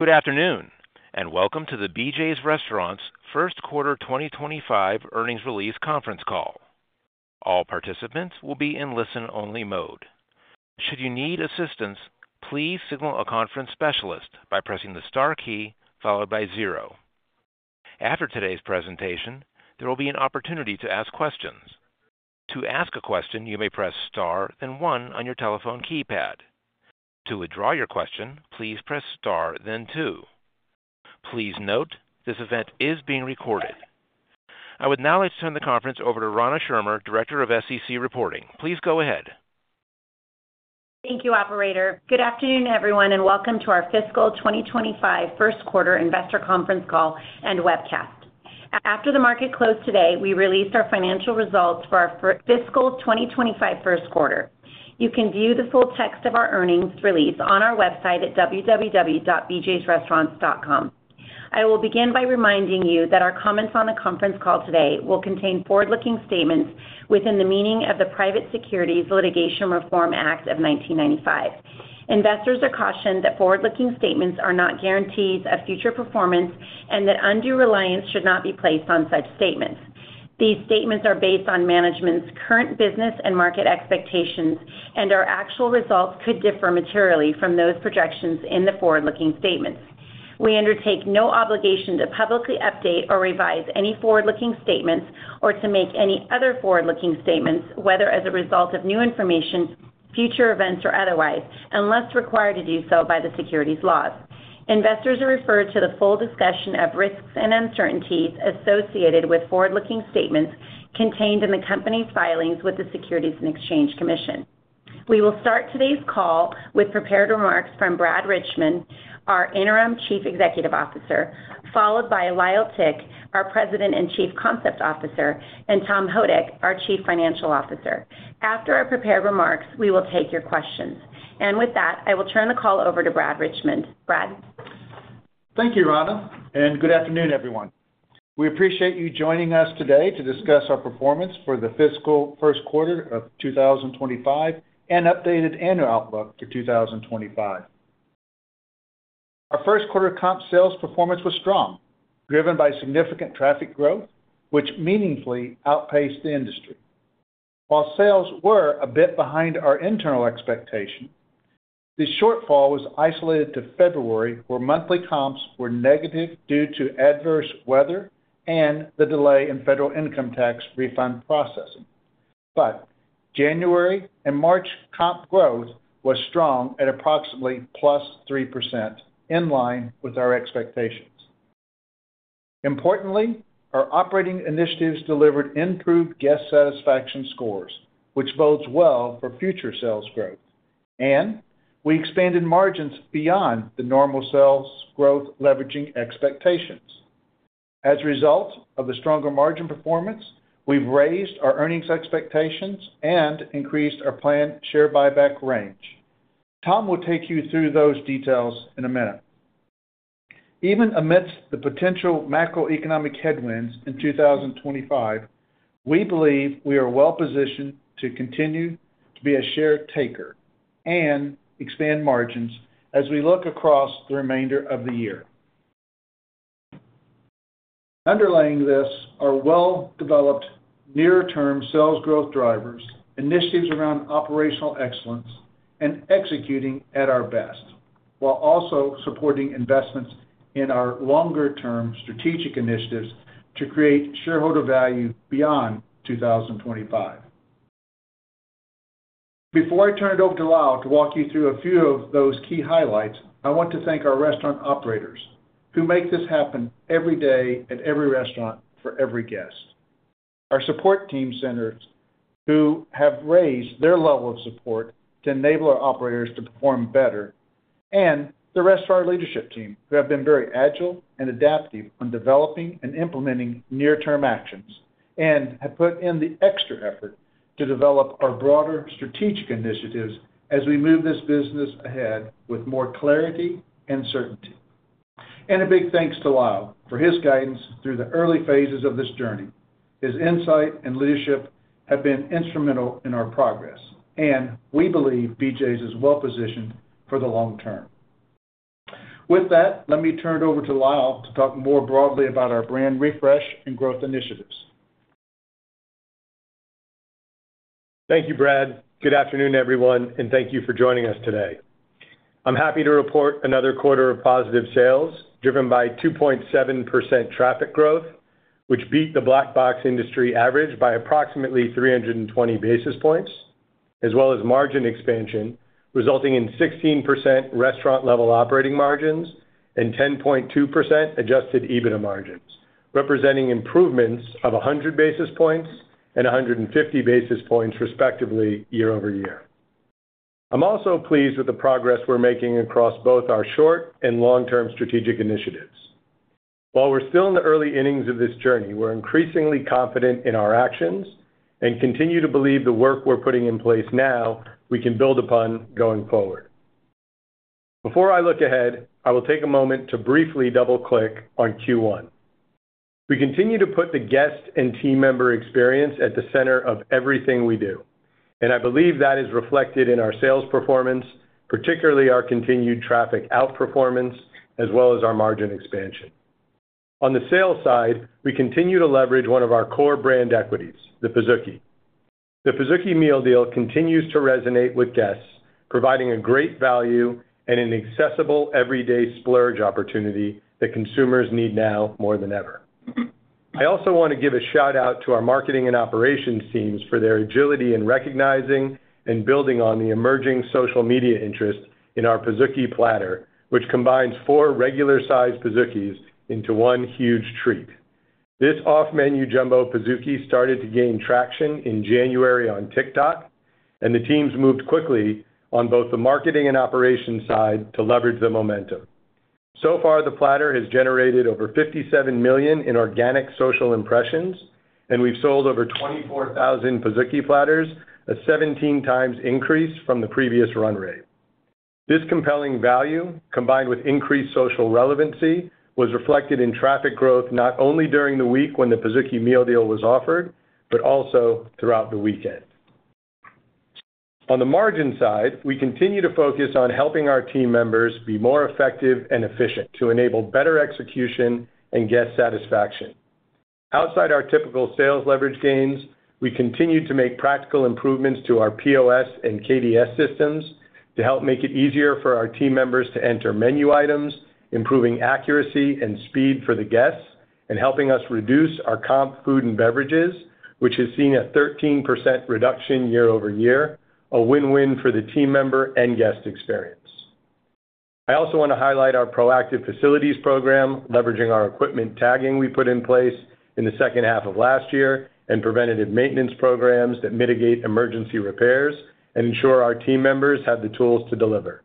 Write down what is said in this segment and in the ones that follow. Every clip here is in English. Good afternoon, and welcome to the BJ's Restaurants' First Quarter 2025 Earnings Release Conference Call. All participants will be in listen-only mode. Should you need assistance, please signal a conference specialist by pressing the star key followed by zero. After today's presentation, there will be an opportunity to ask questions. To ask a question, you may press star, then one on your telephone keypad. To withdraw your question, please press star, then two. Please note this event is being recorded. I would now like to turn the conference over to Rana Schirmer, Director of SEC Reporting. Please go ahead. Thank you, Operator. Good afternoon, everyone, and welcome to our fiscal 2025 first quarter investor conference call and webcast. After the market closed today, we released our financial results for our fiscal 2025 first quarter. You can view the full text of our earnings release on our website at www.bjsrestaurants.com. I will begin by reminding you that our comments on the conference call today will contain forward-looking statements within the meaning of the Private Securities Litigation Reform Act of 1995. Investors are cautioned that forward-looking statements are not guarantees of future performance and that undue reliance should not be placed on such statements. These statements are based on management's current business and market expectations, and our actual results could differ materially from those projections in the forward-looking statements. We undertake no obligation to publicly update or revise any forward-looking statements or to make any other forward-looking statements, whether as a result of new information, future events, or otherwise, unless required to do so by the securities laws. Investors are referred to the full discussion of risks and uncertainties associated with forward-looking statements contained in the company's filings with the Securities and Exchange Commission. We will start today's call with prepared remarks from Brad Richmond, our Interim Chief Executive Officer, followed by Lyle Tick, our President and Chief Concept Officer, and Tom Houdek, our Chief Financial Officer. After our prepared remarks, we will take your questions. With that, I will turn the call over to Brad Richmond. Brad. Thank you, Rana, and good afternoon, everyone. We appreciate you joining us today to discuss our performance for the fiscal first quarter of 2025 and updated annual outlook for 2025. Our first quarter comp sales performance was strong, driven by significant traffic growth, which meaningfully outpaced the industry. While sales were a bit behind our internal expectation, the shortfall was isolated to February, where monthly comps were negative due to adverse weather and the delay in federal income tax refund processing. January and March comp growth was strong at approximately +3%, in line with our expectations. Importantly, our operating initiatives delivered improved guest satisfaction scores, which bodes well for future sales growth, and we expanded margins beyond the normal sales growth leveraging expectations. As a result of the stronger margin performance, we've raised our earnings expectations and increased our planned share buyback range. Tom will take you through those details in a minute. Even amidst the potential macroeconomic headwinds in 2025, we believe we are well positioned to continue to be a share taker and expand margins as we look across the remainder of the year. Underlying this are well-developed near-term sales growth drivers, initiatives around operational excellence, and executing at our best, while also supporting investments in our longer-term strategic initiatives to create shareholder value beyond 2025. Before I turn it over to Lyle to walk you through a few of those key highlights, I want to thank our restaurant operators, who make this happen every day at every restaurant for every guest. Our support team centers, who have raised their level of support to enable our operators to perform better, and the restaurant leadership team, who have been very agile and adaptive on developing and implementing near-term actions and have put in the extra effort to develop our broader strategic initiatives as we move this business ahead with more clarity and certainty. A big thanks to Lyle for his guidance through the early phases of this journey. His insight and leadership have been instrumental in our progress, and we believe BJ's is well positioned for the long term. With that, let me turn it over to Lyle to talk more broadly about our brand refresh and growth initiatives. Thank you, Brad. Good afternoon, everyone, and thank you for joining us today. I'm happy to report another quarter of positive sales driven by 2.7% traffic growth, which beat the Black Box industry average by approximately 320 basis points, as well as margin expansion, resulting in 16% restaurant-level operating margins and 10.2% adjusted EBITDA margins, representing improvements of 100 basis points and 150 basis points, respectively, year-over-year. I'm also pleased with the progress we're making across both our short and long-term strategic initiatives. While we're still in the early innings of this journey, we're increasingly confident in our actions and continue to believe the work we're putting in place now we can build upon going forward. Before I look ahead, I will take a moment to briefly double-click on Q1. We continue to put the guest and team member experience at the center of everything we do, and I believe that is reflected in our sales performance, particularly our continued traffic outperformance, as well as our margin expansion. On the sales side, we continue to leverage one of our core brand equities, the Pizookie. The Pizookie Meal Deal continues to resonate with guests, providing a great value and an accessible everyday splurge opportunity that consumers need now more than ever. I also want to give a shout-out to our marketing and operations teams for their agility in recognizing and building on the emerging social media interest in our Pizookie Platter, which combines four regular-sized Pizookies into one huge treat. This off-menu jumbo Pizookie started to gain traction in January on TikTok, and the teams moved quickly on both the marketing and operations side to leverage the momentum. So far, the Platter has generated over 57 million in organic social impressions, and we've sold over 24,000 Pizookie platters, a 17-times increase from the previous run rate. This compelling value, combined with increased social relevancy, was reflected in traffic growth not only during the week when the Pizookie Meal Deal was offered, but also throughout the weekend. On the margin side, we continue to focus on helping our team members be more effective and efficient to enable better execution and guest satisfaction. Outside our typical sales leverage gains, we continue to make practical improvements to our POS and KDS systems to help make it easier for our team members to enter menu items, improving accuracy and speed for the guests and helping us reduce our comp food and beverages, which has seen a 13% reduction year-over-year, a win-win for the team member and guest experience. I also want to highlight our proactive facilities program, leveraging our equipment tagging we put in place in the second half of last year and preventative maintenance programs that mitigate emergency repairs and ensure our team members have the tools to deliver.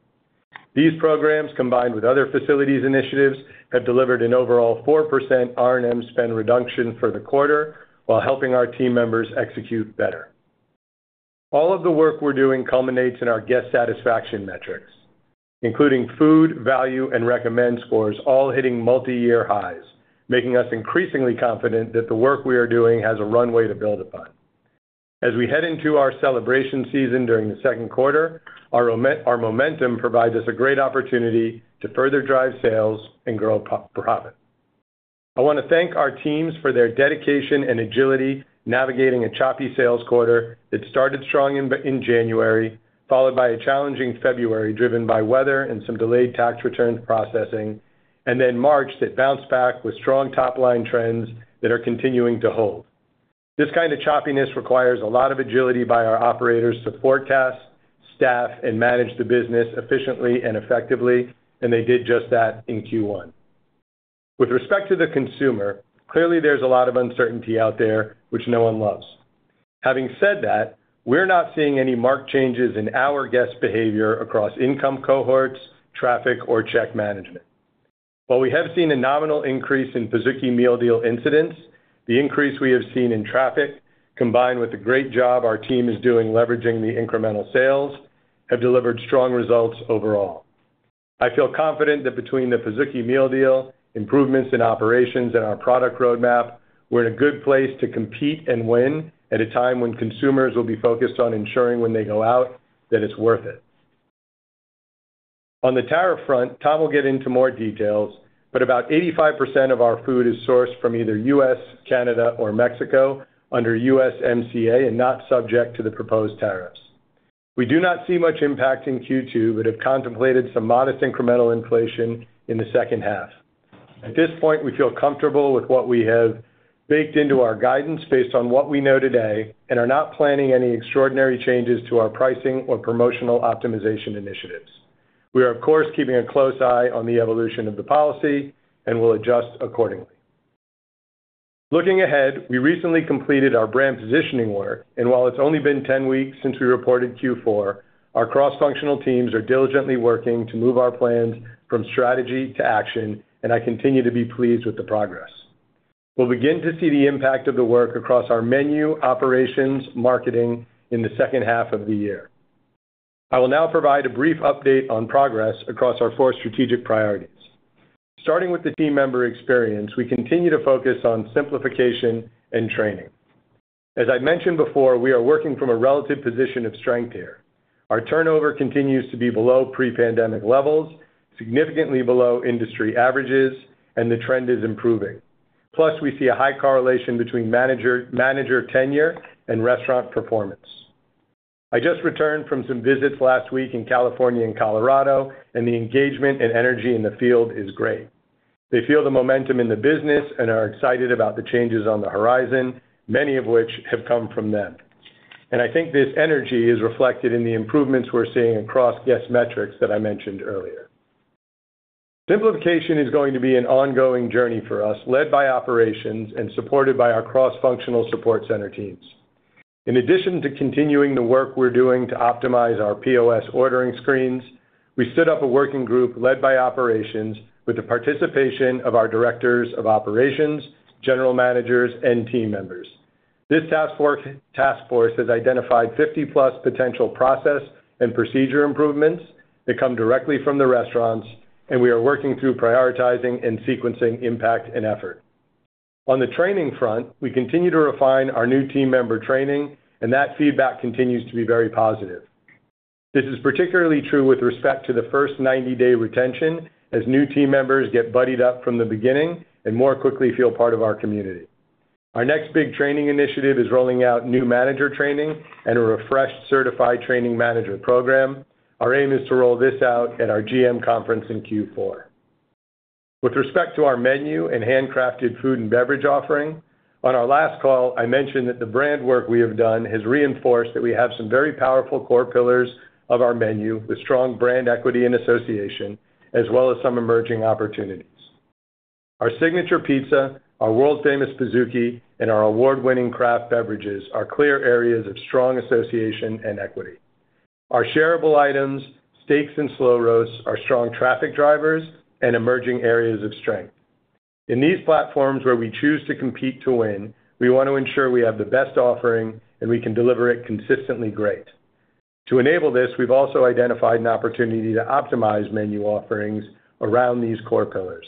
These programs, combined with other facilities initiatives, have delivered an overall 4% R&M spend reduction for the quarter while helping our team members execute better. All of the work we're doing culminates in our guest satisfaction metrics, including food value and recommend scores all hitting multi-year highs, making us increasingly confident that the work we are doing has a runway to build upon. As we head into our celebration season during the second quarter, our momentum provides us a great opportunity to further drive sales and grow profit. I want to thank our teams for their dedication and agility navigating a choppy sales quarter that started strong in January, followed by a challenging February driven by weather and some delayed tax return processing, and then March that bounced back with strong top-line trends that are continuing to hold. This kind of choppiness requires a lot of agility by our operators to forecast, staff, and manage the business efficiently and effectively, and they did just that in Q1. With respect to the consumer, clearly there's a lot of uncertainty out there, which no one loves. Having said that, we're not seeing any marked changes in our guest behavior across income cohorts, traffic, or check management. While we have seen a nominal increase in Pizookie Meal Deal incidence, the increase we have seen in traffic, combined with the great job our team is doing leveraging the incremental sales, have delivered strong results overall. I feel confident that between the Pizookie Meal Deal, improvements in operations, and our product roadmap, we're in a good place to compete and win at a time when consumers will be focused on ensuring when they go out that it's worth it. On the tariff front, Tom will get into more details, but about 85% of our food is sourced from either U.S., Canada, or Mexico under USMCA and not subject to the proposed tariffs. We do not see much impact in Q2, but have contemplated some modest incremental inflation in the second half. At this point, we feel comfortable with what we have baked into our guidance based on what we know today and are not planning any extraordinary changes to our pricing or promotional optimization initiatives. We are, of course, keeping a close eye on the evolution of the policy and will adjust accordingly. Looking ahead, we recently completed our brand positioning work, and while it's only been 10 weeks since we reported Q4, our cross-functional teams are diligently working to move our plans from strategy to action, and I continue to be pleased with the progress. We'll begin to see the impact of the work across our menu, operations, marketing in the second half of the year. I will now provide a brief update on progress across our four strategic priorities. Starting with the team member experience, we continue to focus on simplification and training. As I mentioned before, we are working from a relative position of strength here. Our turnover continues to be below pre-pandemic levels, significantly below industry averages, and the trend is improving. Plus, we see a high correlation between manager tenure and restaurant performance. I just returned from some visits last week in California and Colorado, and the engagement and energy in the field is great. They feel the momentum in the business and are excited about the changes on the horizon, many of which have come from them. I think this energy is reflected in the improvements we're seeing across guest metrics that I mentioned earlier. Simplification is going to be an ongoing journey for us, led by operations and supported by our cross-functional support center teams. In addition to continuing the work we're doing to optimize our POS ordering screens, we stood up a working group led by operations with the participation of our directors of operations, general managers, and team members. This task force has identified 50+ potential process and procedure improvements that come directly from the restaurants, and we are working through prioritizing and sequencing impact and effort. On the training front, we continue to refine our new team member training, and that feedback continues to be very positive. This is particularly true with respect to the first 90-day retention, as new team members get buddied up from the beginning and more quickly feel part of our community. Our next big training initiative is rolling out new manager training and a refreshed certified training manager program. Our aim is to roll this out at our GM conference in Q4. With respect to our menu and handcrafted food and beverage offering, on our last call, I mentioned that the brand work we have done has reinforced that we have some very powerful core pillars of our menu with strong brand equity and association, as well as some emerging opportunities. Our signature pizza, our world-famous Pizookie, and our award-winning craft beverages are clear areas of strong association and equity. Our shareable items, steaks and slow roasts, are strong traffic drivers and emerging areas of strength. In these platforms where we choose to compete to win, we want to ensure we have the best offering and we can deliver it consistently great. To enable this, we've also identified an opportunity to optimize menu offerings around these core pillars.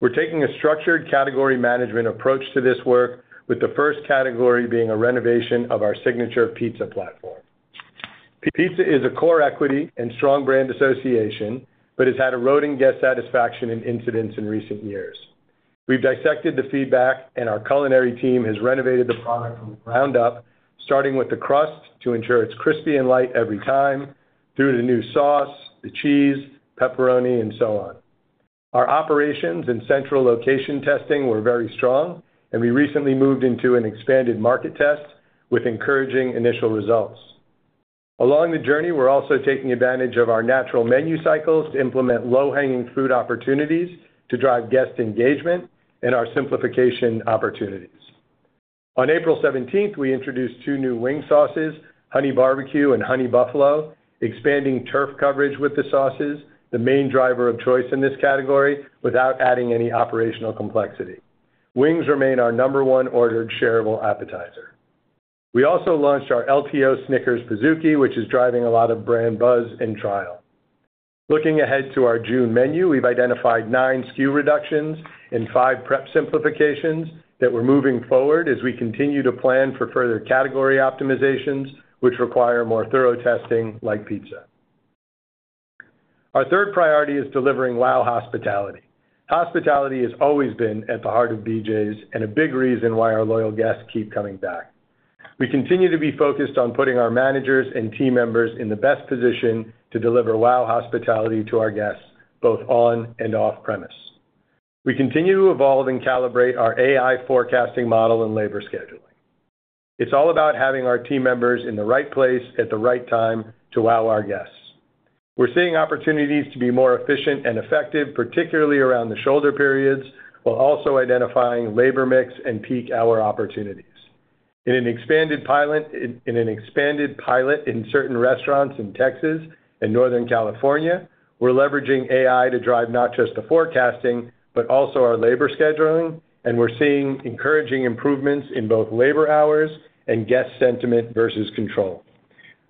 We're taking a structured category management approach to this work, with the first category being a renovation of our signature pizza platform. Pizza is a core equity and strong brand association, but has had eroding guest satisfaction and incidents in recent years. We've dissected the feedback, and our culinary team has renovated the product from the ground up, starting with the crust to ensure it's crispy and light every time, through the new sauce, the cheese, pepperoni, and so on. Our operations and central location testing were very strong, and we recently moved into an expanded market test with encouraging initial results. Along the journey, we're also taking advantage of our natural menu cycles to implement low-hanging fruit opportunities to drive guest engagement and our simplification opportunities. On April 17, we introduced two new wing sauces, Honey Barbecue and Honey Buffalo, expanding TURF coverage with the sauces, the main driver of choice in this category without adding any operational complexity. Wings remain our number one ordered shareable appetizer. We also launched our LTO Snickers Pizookie, which is driving a lot of brand buzz and trial. Looking ahead to our June menu, we've identified nine SKU reductions and five prep simplifications that we're moving forward as we continue to plan for further category optimizations, which require more thorough testing like pizza. Our third priority is delivering WOW hospitality. Hospitality has always been at the heart of BJ's and a big reason why our loyal guests keep coming back. We continue to be focused on putting our managers and team members in the best position to deliver wow hospitality to our guests, both on and off-premise. We continue to evolve and calibrate our AI forecasting model and labor scheduling. It's all about having our team members in the right place at the right time to WOW our guests. We're seeing opportunities to be more efficient and effective, particularly around the shoulder periods, while also identifying labor mix and peak hour opportunities. In an expanded pilot in certain restaurants in Texas and Northern California, we're leveraging AI to drive not just the forecasting, but also our labor scheduling, and we're seeing encouraging improvements in both labor hours and guest sentiment versus control.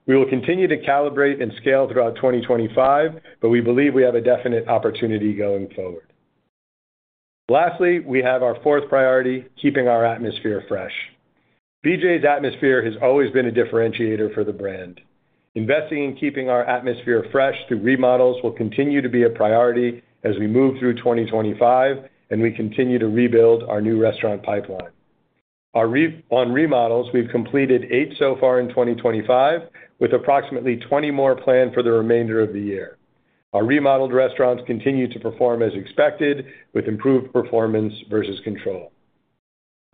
We will continue to calibrate and scale throughout 2025, but we believe we have a definite opportunity going forward. Lastly, we have our fourth priority, keeping our atmosphere fresh. BJ's atmosphere has always been a differentiator for the brand. Investing in keeping our atmosphere fresh through remodels will continue to be a priority as we move through 2025 and we continue to rebuild our new restaurant pipeline. On remodels, we've completed eight so far in 2025, with approximately 20 more planned for the remainder of the year. Our remodeled restaurants continue to perform as expected with improved performance versus control.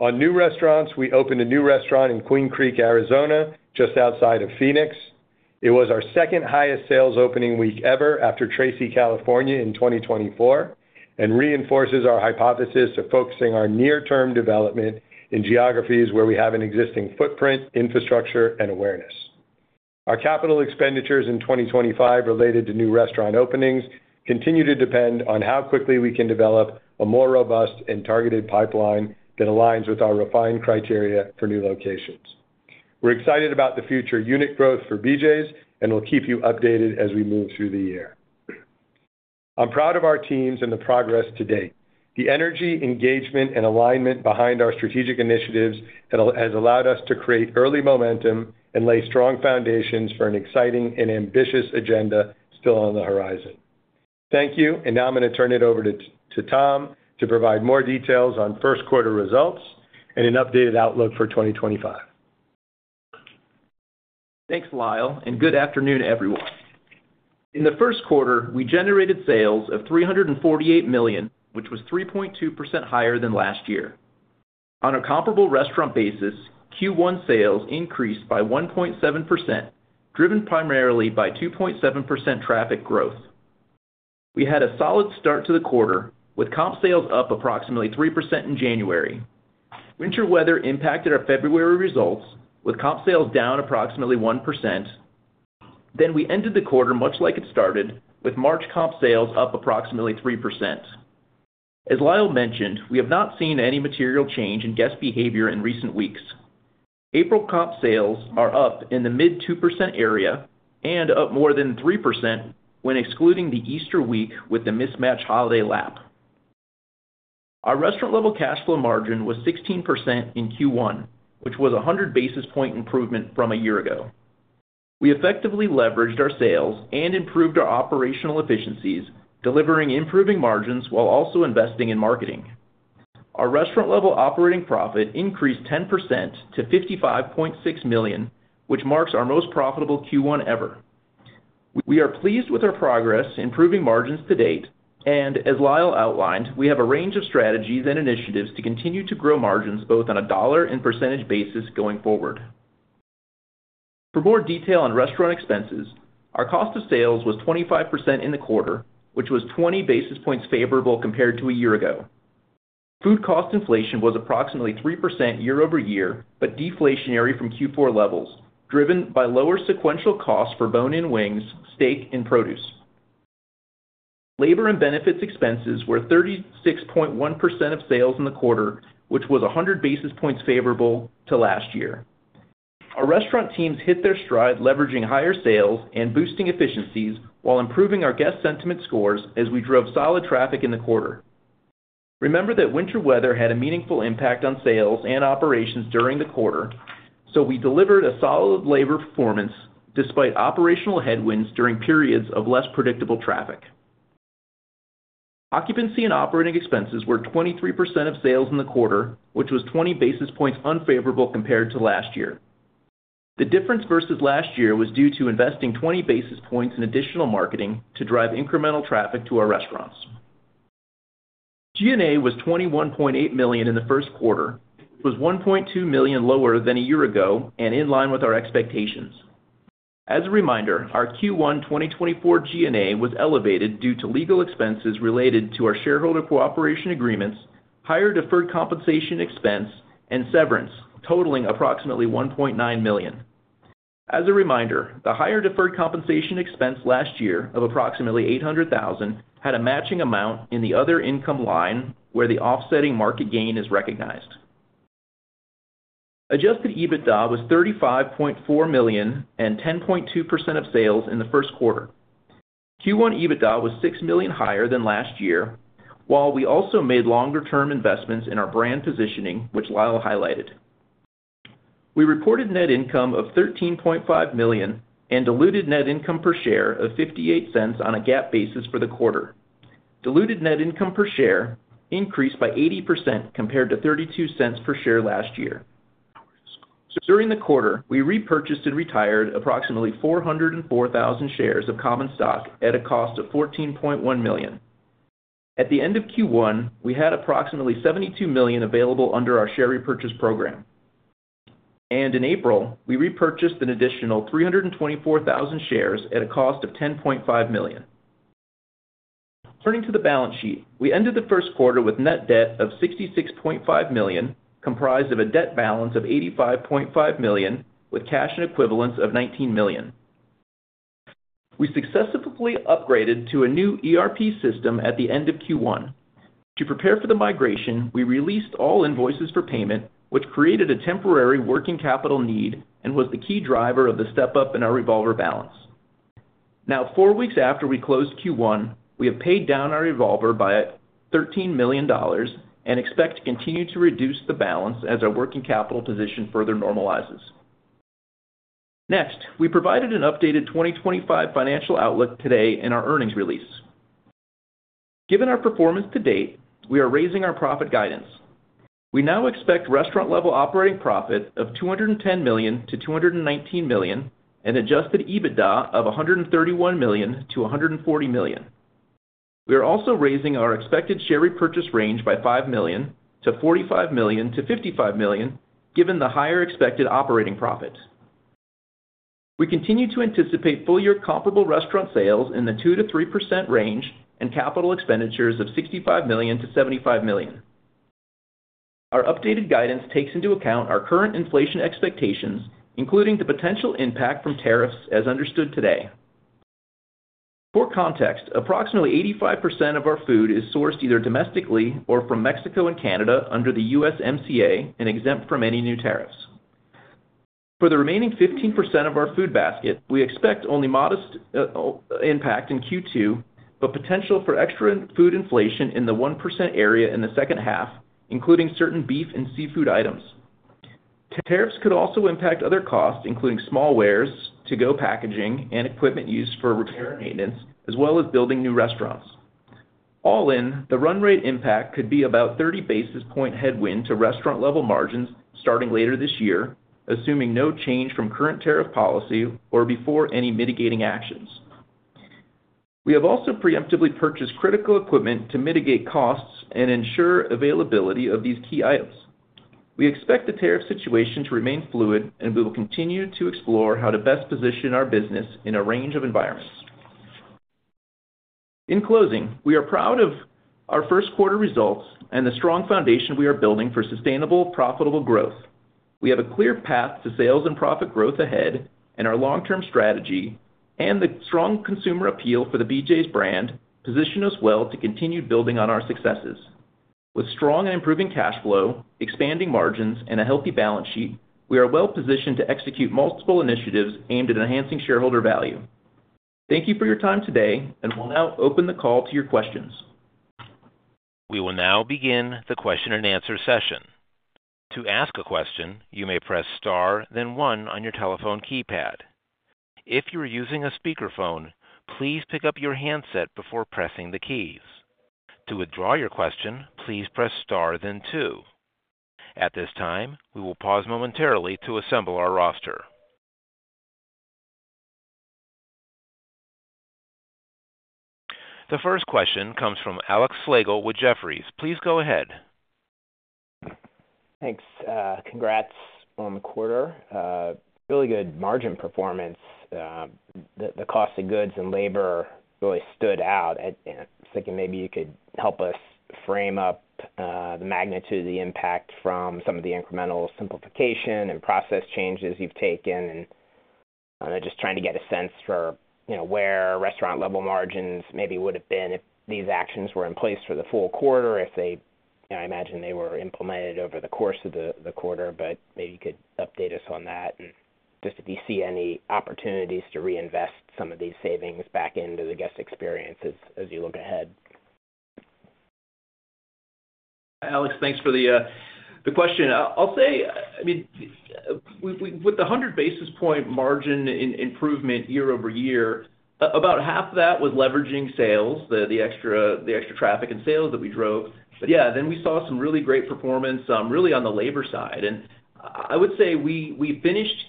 On new restaurants, we opened a new restaurant in Queen Creek, Arizona, just outside of Phoenix. It was our second highest sales opening week ever after Tracy, California, in 2024 and reinforces our hypothesis of focusing our near-term development in geographies where we have an existing footprint, infrastructure, and awareness. Our capital expenditures in 2025 related to new restaurant openings continue to depend on how quickly we can develop a more robust and targeted pipeline that aligns with our refined criteria for new locations. We're excited about the future unit growth for BJ's and will keep you updated as we move through the year. I'm proud of our teams and the progress to date. The energy, engagement, and alignment behind our strategic initiatives has allowed us to create early momentum and lay strong foundations for an exciting and ambitious agenda still on the horizon. Thank you, and now I'm going to turn it over to Tom to provide more details on first quarter results and an updated outlook for 2025. Thanks, Lyle, and good afternoon, everyone. In the first quarter, we generated sales of $348 million, which was 3.2% higher than last year. On a comparable restaurant basis, Q1 sales increased by 1.7%, driven primarily by 2.7% traffic growth. We had a solid start to the quarter with comp sales up approximately 3% in January. Winter weather impacted our February results with comp sales down approximately 1%. We ended the quarter much like it started with March comp sales up approximately 3%. As Lyle mentioned, we have not seen any material change in guest behavior in recent weeks. April comp sales are up in the mid-2% area and up more than 3% when excluding the Easter week with the mismatch holiday lap. Our restaurant-level cash flow margin was 16% in Q1, which was a 100 basis point improvement from a year ago. We effectively leveraged our sales and improved our operational efficiencies, delivering improving margins while also investing in marketing. Our restaurant-level operating profit increased 10% to $55.6 million, which marks our most profitable Q1 ever. We are pleased with our progress, improving margins to date, and as Lyle outlined, we have a range of strategies and initiatives to continue to grow margins both on a dollar and percentage basis going forward. For more detail on restaurant expenses, our cost of sales was 25% in the quarter, which was 20 basis points favorable compared to a year ago. Food cost inflation was approximately 3% year-over-year, but deflationary from Q4 levels, driven by lower sequential costs for bone-in wings, steak, and produce. Labor and benefits expenses were 36.1% of sales in the quarter, which was 100 basis points favorable to last year. Our restaurant teams hit their stride leveraging higher sales and boosting efficiencies while improving our guest sentiment scores as we drove solid traffic in the quarter. Remember that winter weather had a meaningful impact on sales and operations during the quarter, so we delivered a solid labor performance despite operational headwinds during periods of less predictable traffic. Occupancy and operating expenses were 23% of sales in the quarter, which was 20 basis points unfavorable compared to last year. The difference versus last year was due to investing 20 basis points in additional marketing to drive incremental traffic to our restaurants. G&A was $21.8 million in the first quarter, which was $1.2 million lower than a year ago and in line with our expectations. As a reminder, our Q1 2024 G&A was elevated due to legal expenses related to our shareholder cooperation agreements, higher deferred compensation expense, and severance, totaling approximately $1.9 million. As a reminder, the higher deferred compensation expense last year of approximately $800,000 had a matching amount in the other income line where the offsetting market gain is recognized. Adjusted EBITDA was $35.4 million and 10.2% of sales in the first quarter. Q1 EBITDA was $6 million higher than last year, while we also made longer-term investments in our brand positioning, which Lyle highlighted. We reported net income of $13.5 million and diluted net income per share of $0.58 on a GAAP basis for the quarter. Diluted net income per share increased by 80% compared to $0.32 per share last year. During the quarter, we repurchased and retired approximately 404,000 shares of common stock at a cost of $14.1 million. At the end of Q1, we had approximately $72 million available under our share repurchase program. In April, we repurchased an additional 324,000 shares at a cost of $10.5 million. Turning to the balance sheet, we ended the first quarter with net debt of $66.5 million, comprised of a debt balance of $85.5 million with cash and equivalents of $19 million. We successfully upgraded to a new ERP system at the end of Q1. To prepare for the migration, we released all invoices for payment, which created a temporary working capital need and was the key driver of the step-up in our revolver balance. Now, four weeks after we closed Q1, we have paid down our revolver by $13 million and expect to continue to reduce the balance as our working capital position further normalizes. Next, we provided an updated 2025 financial outlook today in our earnings release. Given our performance to date, we are raising our profit guidance. We now expect restaurant-level operating profit of $210 million-$219 million and adjusted EBITDA of $131 million-$140 million. We are also raising our expected share repurchase range by $5 million to $45 million-$55 million, given the higher expected operating profit. We continue to anticipate full-year comparable restaurant sales in the 2-3% range and capital expenditures of $65 million-$75 million. Our updated guidance takes into account our current inflation expectations, including the potential impact from tariffs as understood today. For context, approximately 85% of our food is sourced either domestically or from Mexico and Canada under the USMCA and exempt from any new tariffs. For the remaining 15% of our food basket, we expect only modest impact in Q2, but potential for extra food inflation in the 1% area in the second half, including certain beef and seafood items. Tariffs could also impact other costs, including small wares, to-go packaging, and equipment used for repair and maintenance, as well as building new restaurants. All in, the run rate impact could be about 30 basis point headwind to restaurant-level margins starting later this year, assuming no change from current tariff policy or before any mitigating actions. We have also preemptively purchased critical equipment to mitigate costs and ensure availability of these key items. We expect the tariff situation to remain fluid, and we will continue to explore how to best position our business in a range of environments. In closing, we are proud of our first quarter results and the strong foundation we are building for sustainable, profitable growth. We have a clear path to sales and profit growth ahead, and our long-term strategy and the strong consumer appeal for the BJ's brand position us well to continue building on our successes. With strong and improving cash flow, expanding margins, and a healthy balance sheet, we are well positioned to execute multiple initiatives aimed at enhancing shareholder value. Thank you for your time today, and we'll now open the call to your questions. We will now begin the question and answer session. To ask a question, you may press star, then one on your telephone keypad. If you're using a speakerphone, please pick up your handset before pressing the keys. To withdraw your question, please press star, then two. At this time, we will pause momentarily to assemble our roster. The first question comes from Alex Slagle with Jefferies. Please go ahead. Thanks. Congrats on the quarter. Really good margin performance. The cost of goods and labor really stood out. I was thinking maybe you could help us frame up the magnitude of the impact from some of the incremental simplification and process changes you've taken and just trying to get a sense for where restaurant-level margins maybe would have been if these actions were in place for the full quarter, if they—I imagine they were implemented over the course of the quarter—maybe you could update us on that and just if you see any opportunities to reinvest some of these savings back into the guest experiences as you look ahead? Alex, thanks for the question. I'll say, I mean, with the 100 basis point margin improvement year-over-year, about half of that was leveraging sales, the extra traffic and sales that we drove. Yeah, then we saw some really great performance really on the labor side. I would say we finished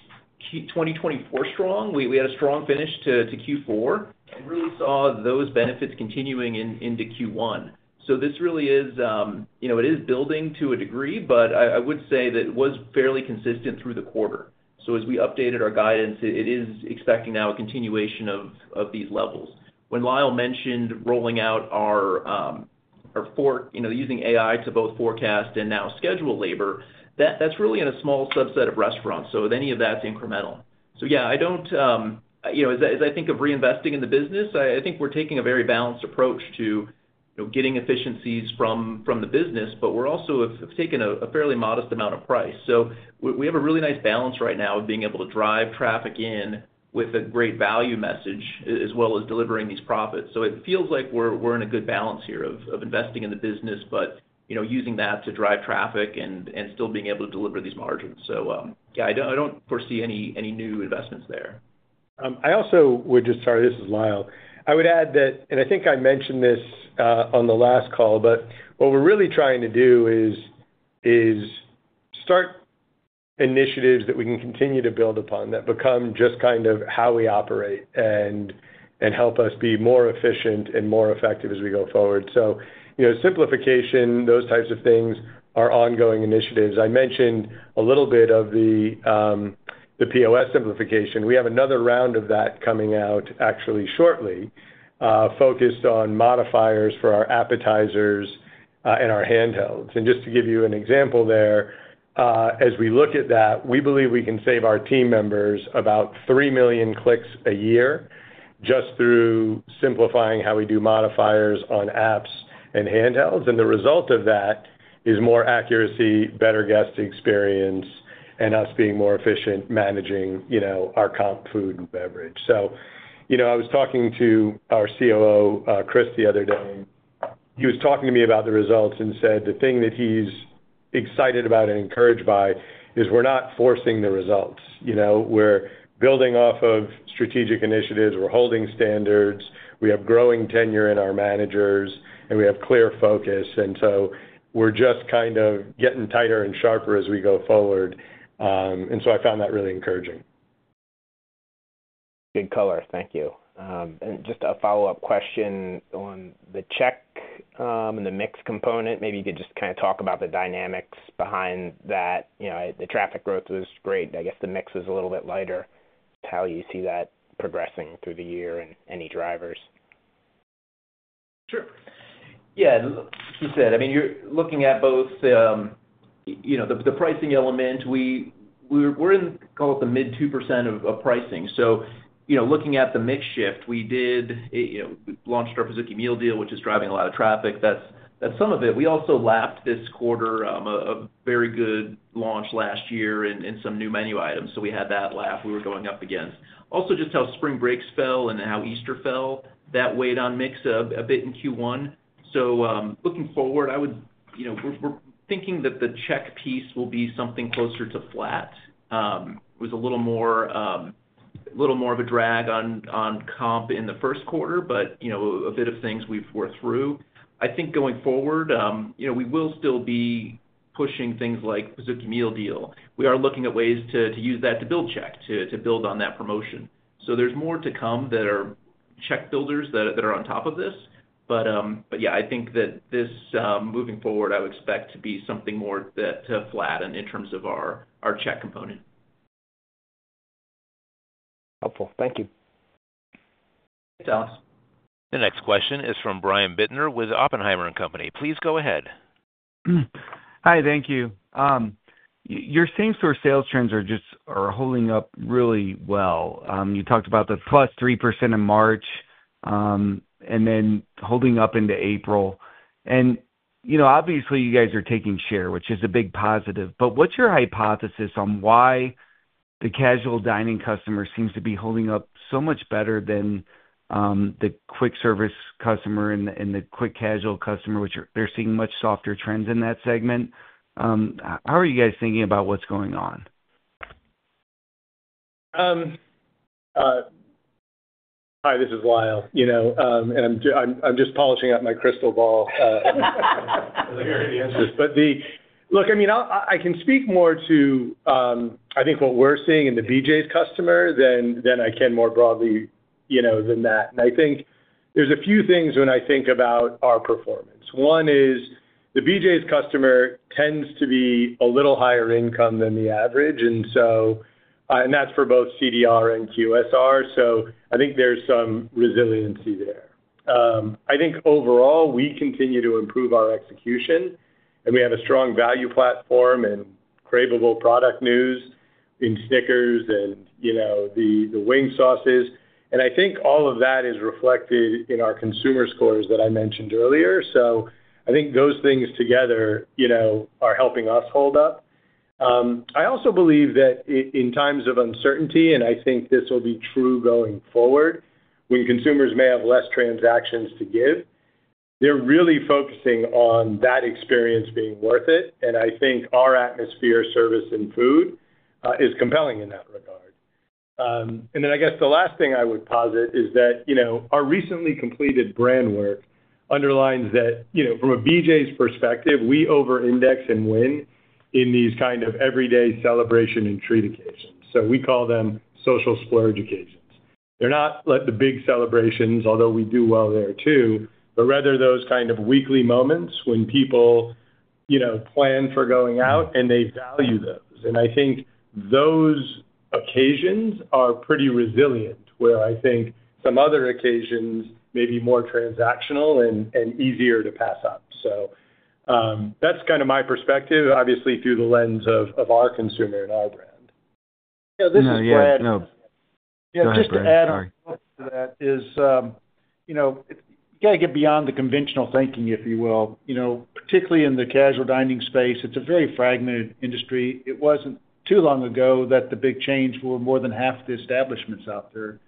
2024 strong. We had a strong finish to Q4 and really saw those benefits continuing into Q1. This really is—it is building to a degree, but I would say that it was fairly consistent through the quarter. As we updated our guidance, it is expecting now a continuation of these levels. When Lyle mentioned rolling out our Fourth, using AI to both forecast and now schedule labor, that's really in a small subset of restaurants. With any of that, it's incremental. Yeah, I don't—as I think of reinvesting in the business, I think we're taking a very balanced approach to getting efficiencies from the business, but we're also taking a fairly modest amount of price. We have a really nice balance right now of being able to drive traffic in with a great value message as well as delivering these profits. It feels like we're in a good balance here of investing in the business, but using that to drive traffic and still being able to deliver these margins. Yeah, I don't foresee any new investments there. I also would just—sorry, this is Lyle. I would add that, and I think I mentioned this on the last call, what we're really trying to do is start initiatives that we can continue to build upon that become just kind of how we operate and help us be more efficient and more effective as we go forward. Simplification, those types of things are ongoing initiatives. I mentioned a little bit of the POS simplification. We have another round of that coming out actually shortly, focused on modifiers for our appetizers and our handhelds. Just to give you an example there, as we look at that, we believe we can save our team members about 3 million clicks a year just through simplifying how we do modifiers on apps and handhelds. The result of that is more accuracy, better guest experience, and us being more efficient managing our comp food and beverage. I was talking to our COO, Chris, the other day. He was talking to me about the results and said the thing that he's excited about and encouraged by is we're not forcing the results. We're building off of strategic initiatives. We're holding standards. We have growing tenure in our managers, and we have clear focus. We're just kind of getting tighter and sharper as we go forward. I found that really encouraging. Good color. Thank you. Just a follow-up question on the check and the mix component. Maybe you could just kind of talk about the dynamics behind that. The traffic growth was great. I guess the mix was a little bit lighter. How do you see that progressing through the year and any drivers? Sure. Yeah. Like you said, I mean, you're looking at both the pricing element. We're in, call it the mid-2% of pricing. So looking at the mix shift, we did launch our Pizookie Meal Deal, which is driving a lot of traffic. That's some of it. We also lapped this quarter, a very good launch last year and some new menu items. So we had that lap. We were going up against. Also just how spring breaks fell and how Easter fell, that weighed on mix a bit in Q1. Looking forward, I would—we're thinking that the check piece will be something closer to flat. It was a little more of a drag on comp in the first quarter, but a bit of things we've worked through. I think going forward, we will still be pushing things like Pizookie Meal Deal. We are looking at ways to use that to build check, to build on that promotion. There is more to come that are check builders that are on top of this. I think that this moving forward, I would expect to be something more flat in terms of our check component. Helpful. Thank you. Thanks, Alex. The next question is from Brian Bittner with Oppenheimer & Company. Please go ahead. Hi. Thank you. Your same-store sales trends are holding up really well. You talked about the plus 3% in March and then holding up into April. Obviously, you guys are taking share, which is a big positive. What's your hypothesis on why the casual dining customer seems to be holding up so much better than the quick service customer and the quick casual customer, which they're seeing much softer trends in that segment? How are you guys thinking about what's going on? Hi, this is Lyle. I'm just polishing up my crystal ball. I'm not sure how to answer this. Look, I mean, I can speak more to, I think, what we're seeing in the BJ's customer than I can more broadly than that. I think there's a few things when I think about our performance. One is the BJ's customer tends to be a little higher income than the average. That's for both CDR and QSR. I think there's some resiliency there. I think overall, we continue to improve our execution, and we have a strong value platform and craveable product news in Snickers and the wing sauces. I think all of that is reflected in our consumer scores that I mentioned earlier. I think those things together are helping us hold up. I also believe that in times of uncertainty, and I think this will be true going forward, when consumers may have less transactions to give, they're really focusing on that experience being worth it. I think our atmosphere, service, and food is compelling in that regard. I guess the last thing I would posit is that our recently completed brand work underlines that from a BJ's perspective, we over-index and win in these kind of everyday celebration and treat occasions. We call them social splurge occasions. They're not like the big celebrations, although we do well there too, but rather those kind of weekly moments when people plan for going out and they value those. I think those occasions are pretty resilient, where I think some other occasions may be more transactional and easier to pass up. That's kind of my perspective, obviously through the lens of our consumer and our brand. Yeah. This is Brad. Yeah. Just to add on to that is you got to get beyond the conventional thinking, if you will. Particularly in the casual dining space, it's a very fragmented industry. It wasn't too long ago that the big change for more than half the establishments out there,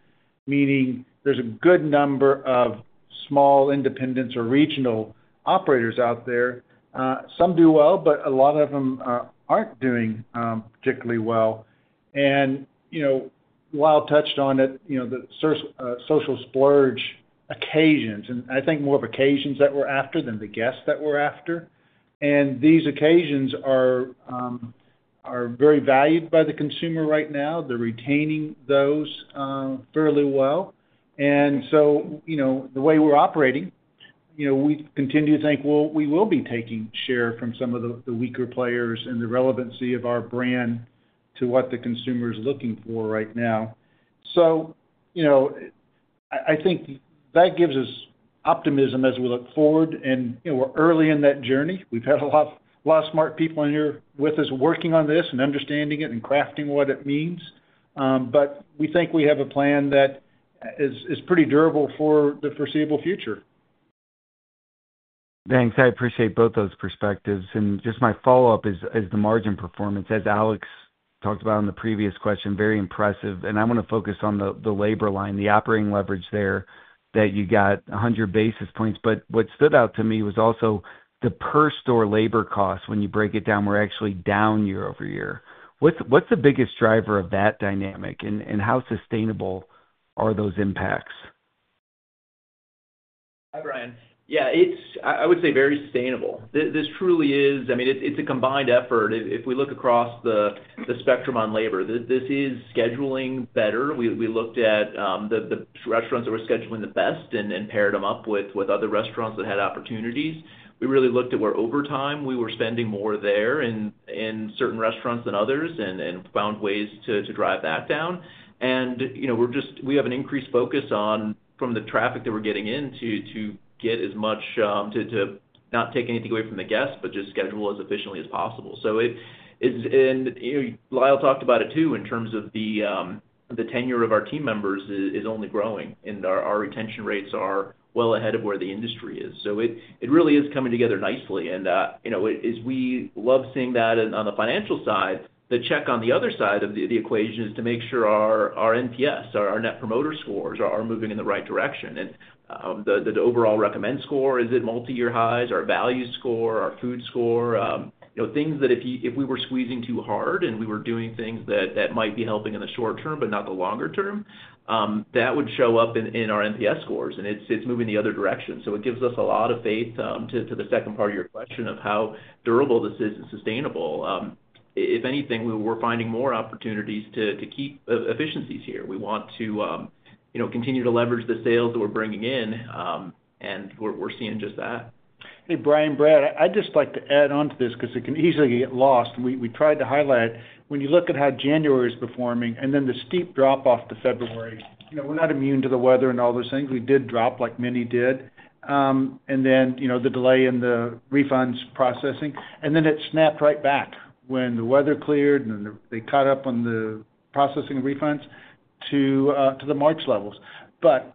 meaning there's a good number of small independents or regional operators out there. Some do well, but a lot of them aren't doing particularly well. Lyle touched on it, the social splurge occasions. I think more of occasions that we're after than the guests that we're after. These occasions are very valued by the consumer right now. They're retaining those fairly well. The way we're operating, we continue to think we will be taking share from some of the weaker players and the relevancy of our brand to what the consumer is looking for right now. I think that gives us optimism as we look forward. We're early in that journey. We've had a lot of smart people in here with us working on this and understanding it and crafting what it means. We think we have a plan that is pretty durable for the foreseeable future. Thanks. I appreciate both those perspectives. Just my follow-up is the margin performance, as Alex talked about in the previous question, very impressive. I want to focus on the labor line, the operating leverage there that you got 100 basis points. What stood out to me was also the per-store labor cost. When you break it down, we're actually down year over year. What's the biggest driver of that dynamic, and how sustainable are those impacts? Hi, Brian. Yeah. I would say very sustainable. This truly is, I mean, it's a combined effort. If we look across the spectrum on labor, this is scheduling better. We looked at the restaurants that were scheduling the best and paired them up with other restaurants that had opportunities. We really looked at where overtime we were spending more there in certain restaurants than others and found ways to drive that down. We have an increased focus on, from the traffic that we're getting in, to get as much to not take anything away from the guests, but just schedule as efficiently as possible. Lyle talked about it too in terms of the tenure of our team members is only growing, and our retention rates are well ahead of where the industry is. It really is coming together nicely. We love seeing that on the financial side. The check on the other side of the equation is to make sure our NPS, our Net Promoter Scores, are moving in the right direction. The overall recommend score, is it multi-year highs? Our value score, our food score, things that if we were squeezing too hard and we were doing things that might be helping in the short term but not the longer term, that would show up in our NPS scores. It is moving the other direction. It gives us a lot of faith to the second part of your question of how durable this is and sustainable. If anything, we are finding more opportunities to keep efficiencies here. We want to continue to leverage the sales that we are bringing in, and we are seeing just that. Hey, Brian, Brad, I would just like to add on to this because it can easily get lost. We tried to highlight when you look at how January is performing and then the steep drop off to February. We are not immune to the weather and all those things. We did drop like many did. The delay in the refunds processing snapped right back when the weather cleared and they caught up on the processing of refunds to the March levels.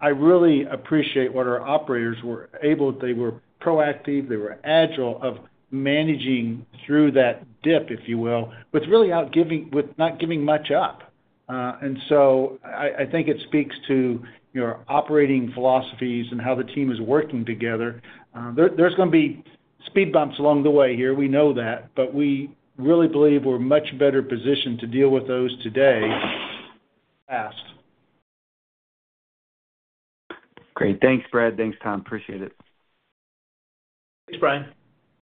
I really appreciate what our operators were able to do. They were proactive. They were agile of managing through that dip, if you will, with really not giving much up. I think it speaks to your operating philosophies and how the team is working together. There are going to be speed bumps along the way here. We know that. We really believe we are much better positioned to deal with those today than in the past. Great. Thanks, Brad. Thanks, Tom. Appreciate it. Thanks, Brian.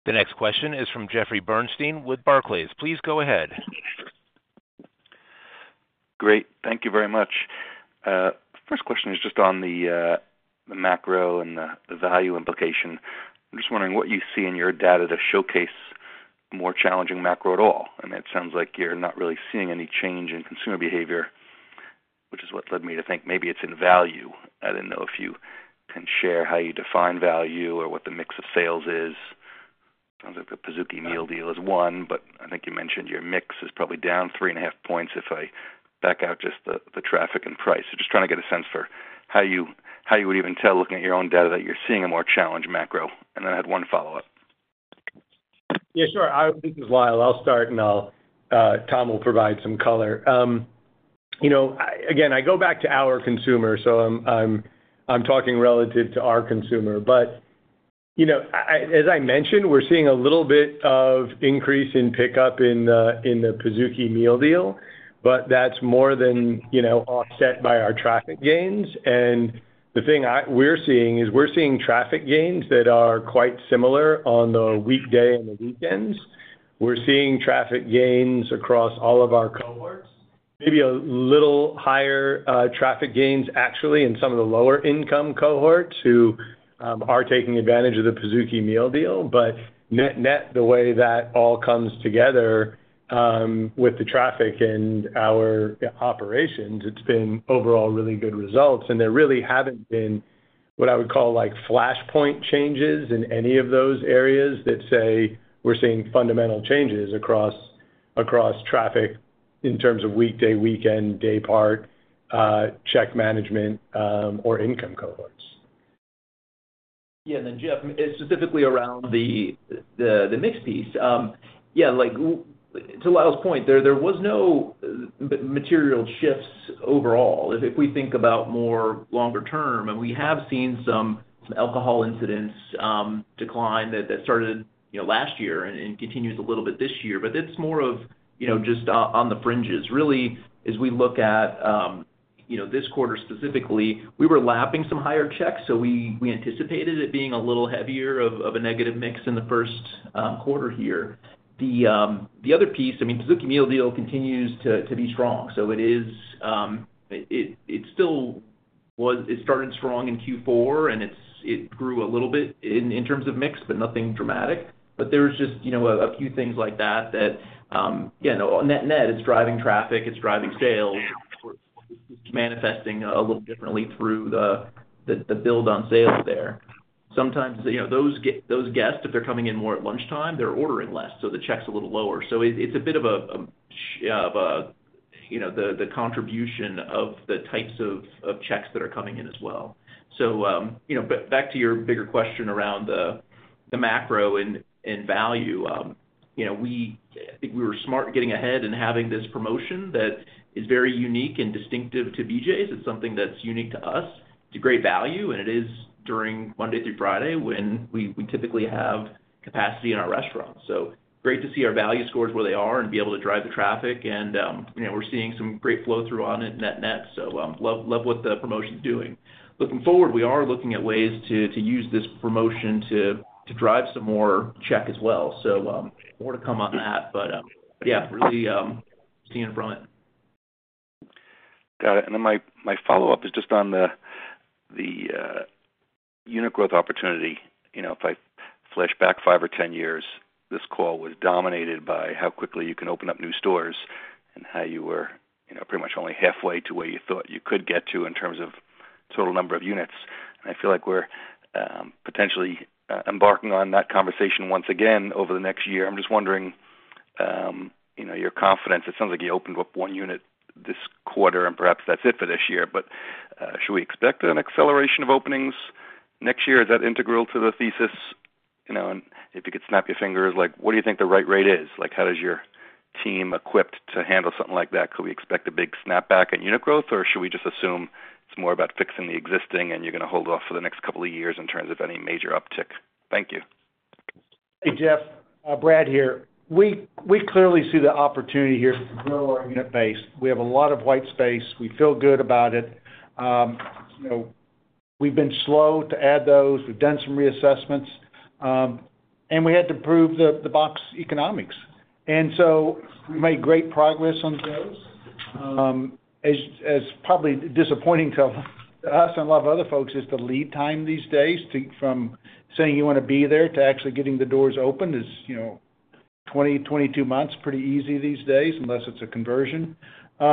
The next question is from Jeffrey Bernstein with Barclays. Please go ahead. Great. Thank you very much. First question is just on the macro and the value implication. I'm just wondering what you see in your data to showcase more challenging macro at all. It sounds like you're not really seeing any change in consumer behavior, which is what led me to think maybe it's in value. I didn't know if you can share how you define value or what the mix of sales is. Sounds like the Pizookie Meal Deal is one, but I think you mentioned your mix is probably down three and a half points if I back out just the traffic and price. Just trying to get a sense for how you would even tell looking at your own data that you're seeing a more challenged macro. I had one follow-up. Yeah. Sure. This is Lyle. I'll start, and Tom will provide some color. Again, I go back to our consumer, so I'm talking relative to our consumer. As I mentioned, we're seeing a little bit of increase in pickup in the Pizookie Meal Deal, but that's more than offset by our traffic gains. The thing we're seeing is we're seeing traffic gains that are quite similar on the weekday and the weekends. We're seeing traffic gains across all of our cohorts, maybe a little higher traffic gains, actually, in some of the lower-income cohorts who are taking advantage of the Pizookie Meal Deal. Net, the way that all comes together with the traffic and our operations, it's been overall really good results. There really haven't been what I would call flashpoint changes in any of those areas that say we're seeing fundamental changes across traffic in terms of weekday, weekend, day part, check management, or income cohorts. Yeah. Specifically around the mix piece. Yeah. To Lyle's point, there was no material shifts overall. If we think about more longer term, and we have seen some alcohol incidents decline that started last year and continues a little bit this year, but it's more of just on the fringes. Really, as we look at this quarter specifically, we were lapping some higher checks, so we anticipated it being a little heavier of a negative mix in the first quarter here. The other piece, I mean, Pizookie Meal Deal continues to be strong. It still started strong in Q4, and it grew a little bit in terms of mix, but nothing dramatic. There's just a few things like that that, again, net is driving traffic. It's driving sales. It's manifesting a little differently through the build on sales there. Sometimes those guests, if they're coming in more at lunchtime, they're ordering less, so the check's a little lower. It is a bit of the contribution of the types of checks that are coming in as well. Back to your bigger question around the macro and value, I think we were smart getting ahead and having this promotion that is very unique and distinctive to BJ's. It's something that's unique to us. It's a great value, and it is during Monday through Friday when we typically have capacity in our restaurants. Great to see our value scores where they are and be able to drive the traffic. We're seeing some great flow through on it net net. Love what the promotion's doing. Looking forward, we are looking at ways to use this promotion to drive some more check as well. More to come on that. Yeah, really seeing it from it. Got it. My follow-up is just on the unit growth opportunity. If I flash back five or 10 years, this call was dominated by how quickly you can open up new stores and how you were pretty much only halfway to where you thought you could get to in terms of total number of units. I feel like we're potentially embarking on that conversation once again over the next year. I'm just wondering your confidence. It sounds like you opened up one unit this quarter, and perhaps that's it for this year. Should we expect an acceleration of openings next year? Is that integral to the thesis? If you could snap your fingers, what do you think the right rate is? How does your team equip to handle something like that? Could we expect a big snapback in unit growth, or should we just assume it's more about fixing the existing, and you're going to hold off for the next couple of years in terms of any major uptick? Thank you. Hey, Jeff, Brad here. We clearly see the opportunity here to grow our unit base. We have a lot of white space. We feel good about it. We've been slow to add those. We've done some reassessments, and we had to prove the box economics. We’ve made great progress on those. As probably disappointing to us and a lot of other folks is the lead time these days from saying you want to be there to actually getting the doors open is 20-22 months pretty easy these days unless it's a conversion. We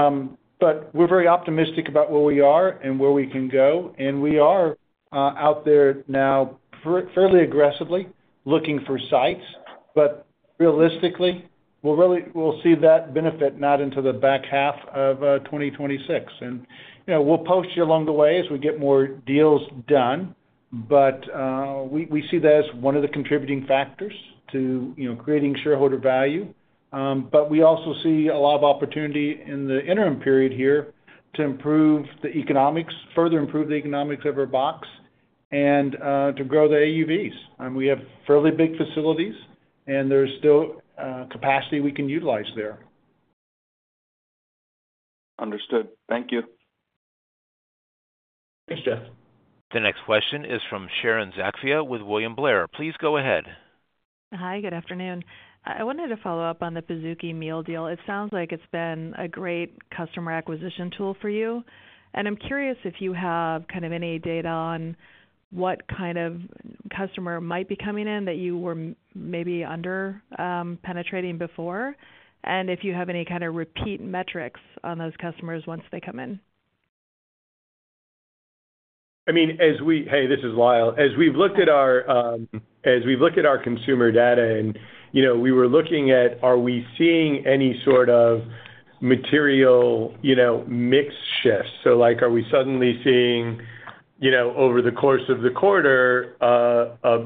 are very optimistic about where we are and where we can go. We are out there now fairly aggressively looking for sites. Realistically, we'll see that benefit not until the back half of 2026. We'll post you along the way as we get more deals done. We see that as one of the contributing factors to creating shareholder value. We also see a lot of opportunity in the interim period here to further improve the economics of our box and to grow the AUVs. We have fairly big facilities, and there's still capacity we can utilize there. Understood. Thank you. Thanks, Jeff. The next question is from Sharon Zackfia with William Blair. Please go ahead. Hi. Good afternoon. I wanted to follow up on the Pizookie Meal Deal. It sounds like it's been a great customer acquisition tool for you. I'm curious if you have kind of any data on what kind of customer might be coming in that you were maybe under-penetrating before and if you have any kind of repeat metrics on those customers once they come in? I mean, hey, this is Lyle. As we've looked at our consumer data, and we were looking at are we seeing any sort of material mix shifts? Are we suddenly seeing, over the course of the quarter, a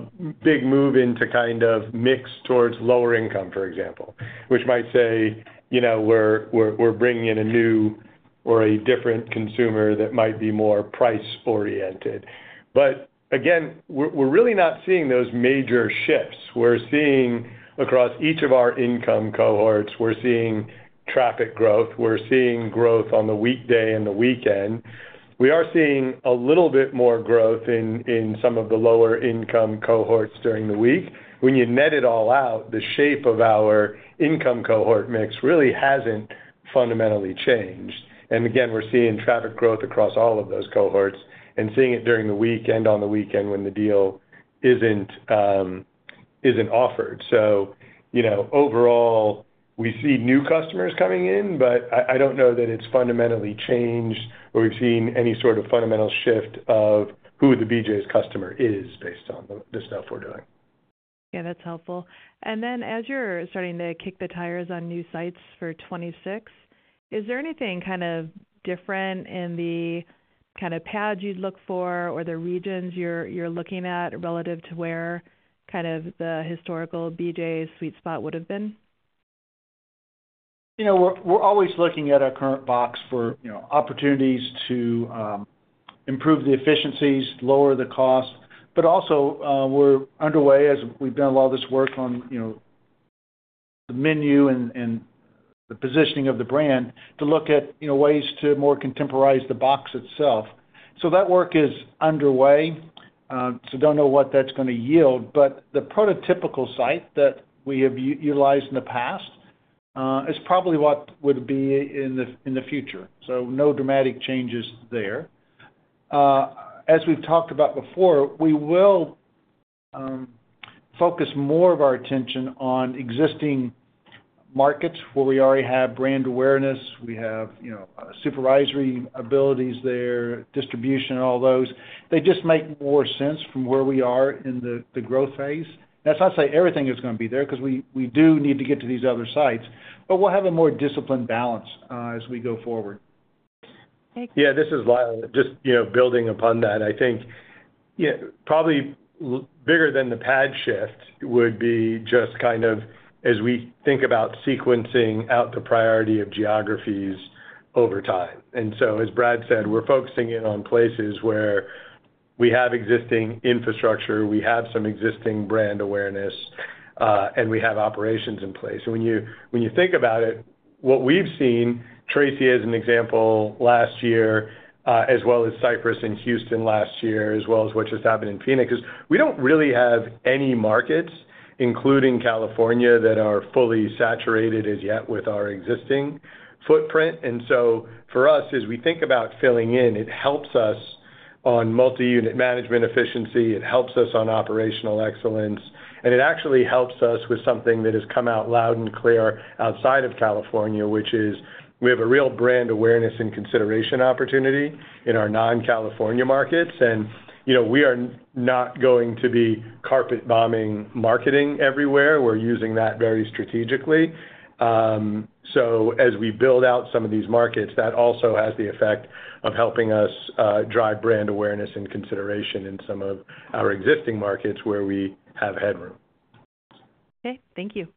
big move into kind of mix towards lower income, for example, which might say we're bringing in a new or a different consumer that might be more price-oriented. Again, we're really not seeing those major shifts. We're seeing across each of our income cohorts, we're seeing traffic growth, we're seeing growth on the weekday and the weekend. We are seeing a little bit more growth in some of the lower-income cohorts during the week. When you net it all out, the shape of our income cohort mix really hasn't fundamentally changed. Again, we're seeing traffic growth across all of those cohorts and seeing it during the week and on the weekend when the deal isn't offered. Overall, we see new customers coming in, but I don't know that it's fundamentally changed or we've seen any sort of fundamental shift of who the BJ's customer is based on the stuff we're doing. Yeah. That's helpful. As you're starting to kick the tires on new sites for 2026, is there anything kind of different in the kind of pads you'd look for or the regions you're looking at relative to where kind of the historical BJ's sweet spot would have been? We're always looking at our current box for opportunities to improve the efficiencies, lower the cost. Also, we're underway, as we've done a lot of this work on the menu and the positioning of the brand, to look at ways to more contemporize the box itself. That work is underway. I don't know what that's going to yield. The prototypical site that we have utilized in the past is probably what would be in the future. No dramatic changes there. As we've talked about before, we will focus more of our attention on existing markets where we already have brand awareness. We have supervisory abilities there, distribution, all those. They just make more sense from where we are in the growth phase. That's not to say everything is going to be there because we do need to get to these other sites. We'll have a more disciplined balance as we go forward. Yeah. This is Lyle. Just building upon that, I think probably bigger than the pad shift would be just kind of as we think about sequencing out the priority of geographies over time. As Brad said, we're focusing in on places where we have existing infrastructure, we have some existing brand awareness, and we have operations in place. When you think about it, what we've seen, Tracy as an example last year, as well as Cypress and Houston last year, as well as what just happened in Phoenix, is we don't really have any markets, including California, that are fully saturated as yet with our existing footprint. For us, as we think about filling in, it helps us on multi-unit management efficiency. It helps us on operational excellence. It actually helps us with something that has come out loud and clear outside of California, which is we have a real brand awareness and consideration opportunity in our non-California markets. We are not going to be carpet-bombing marketing everywhere. We are using that very strategically. As we build out some of these markets, that also has the effect of helping us drive brand awareness and consideration in some of our existing markets where we have headroom. Okay. Thank you.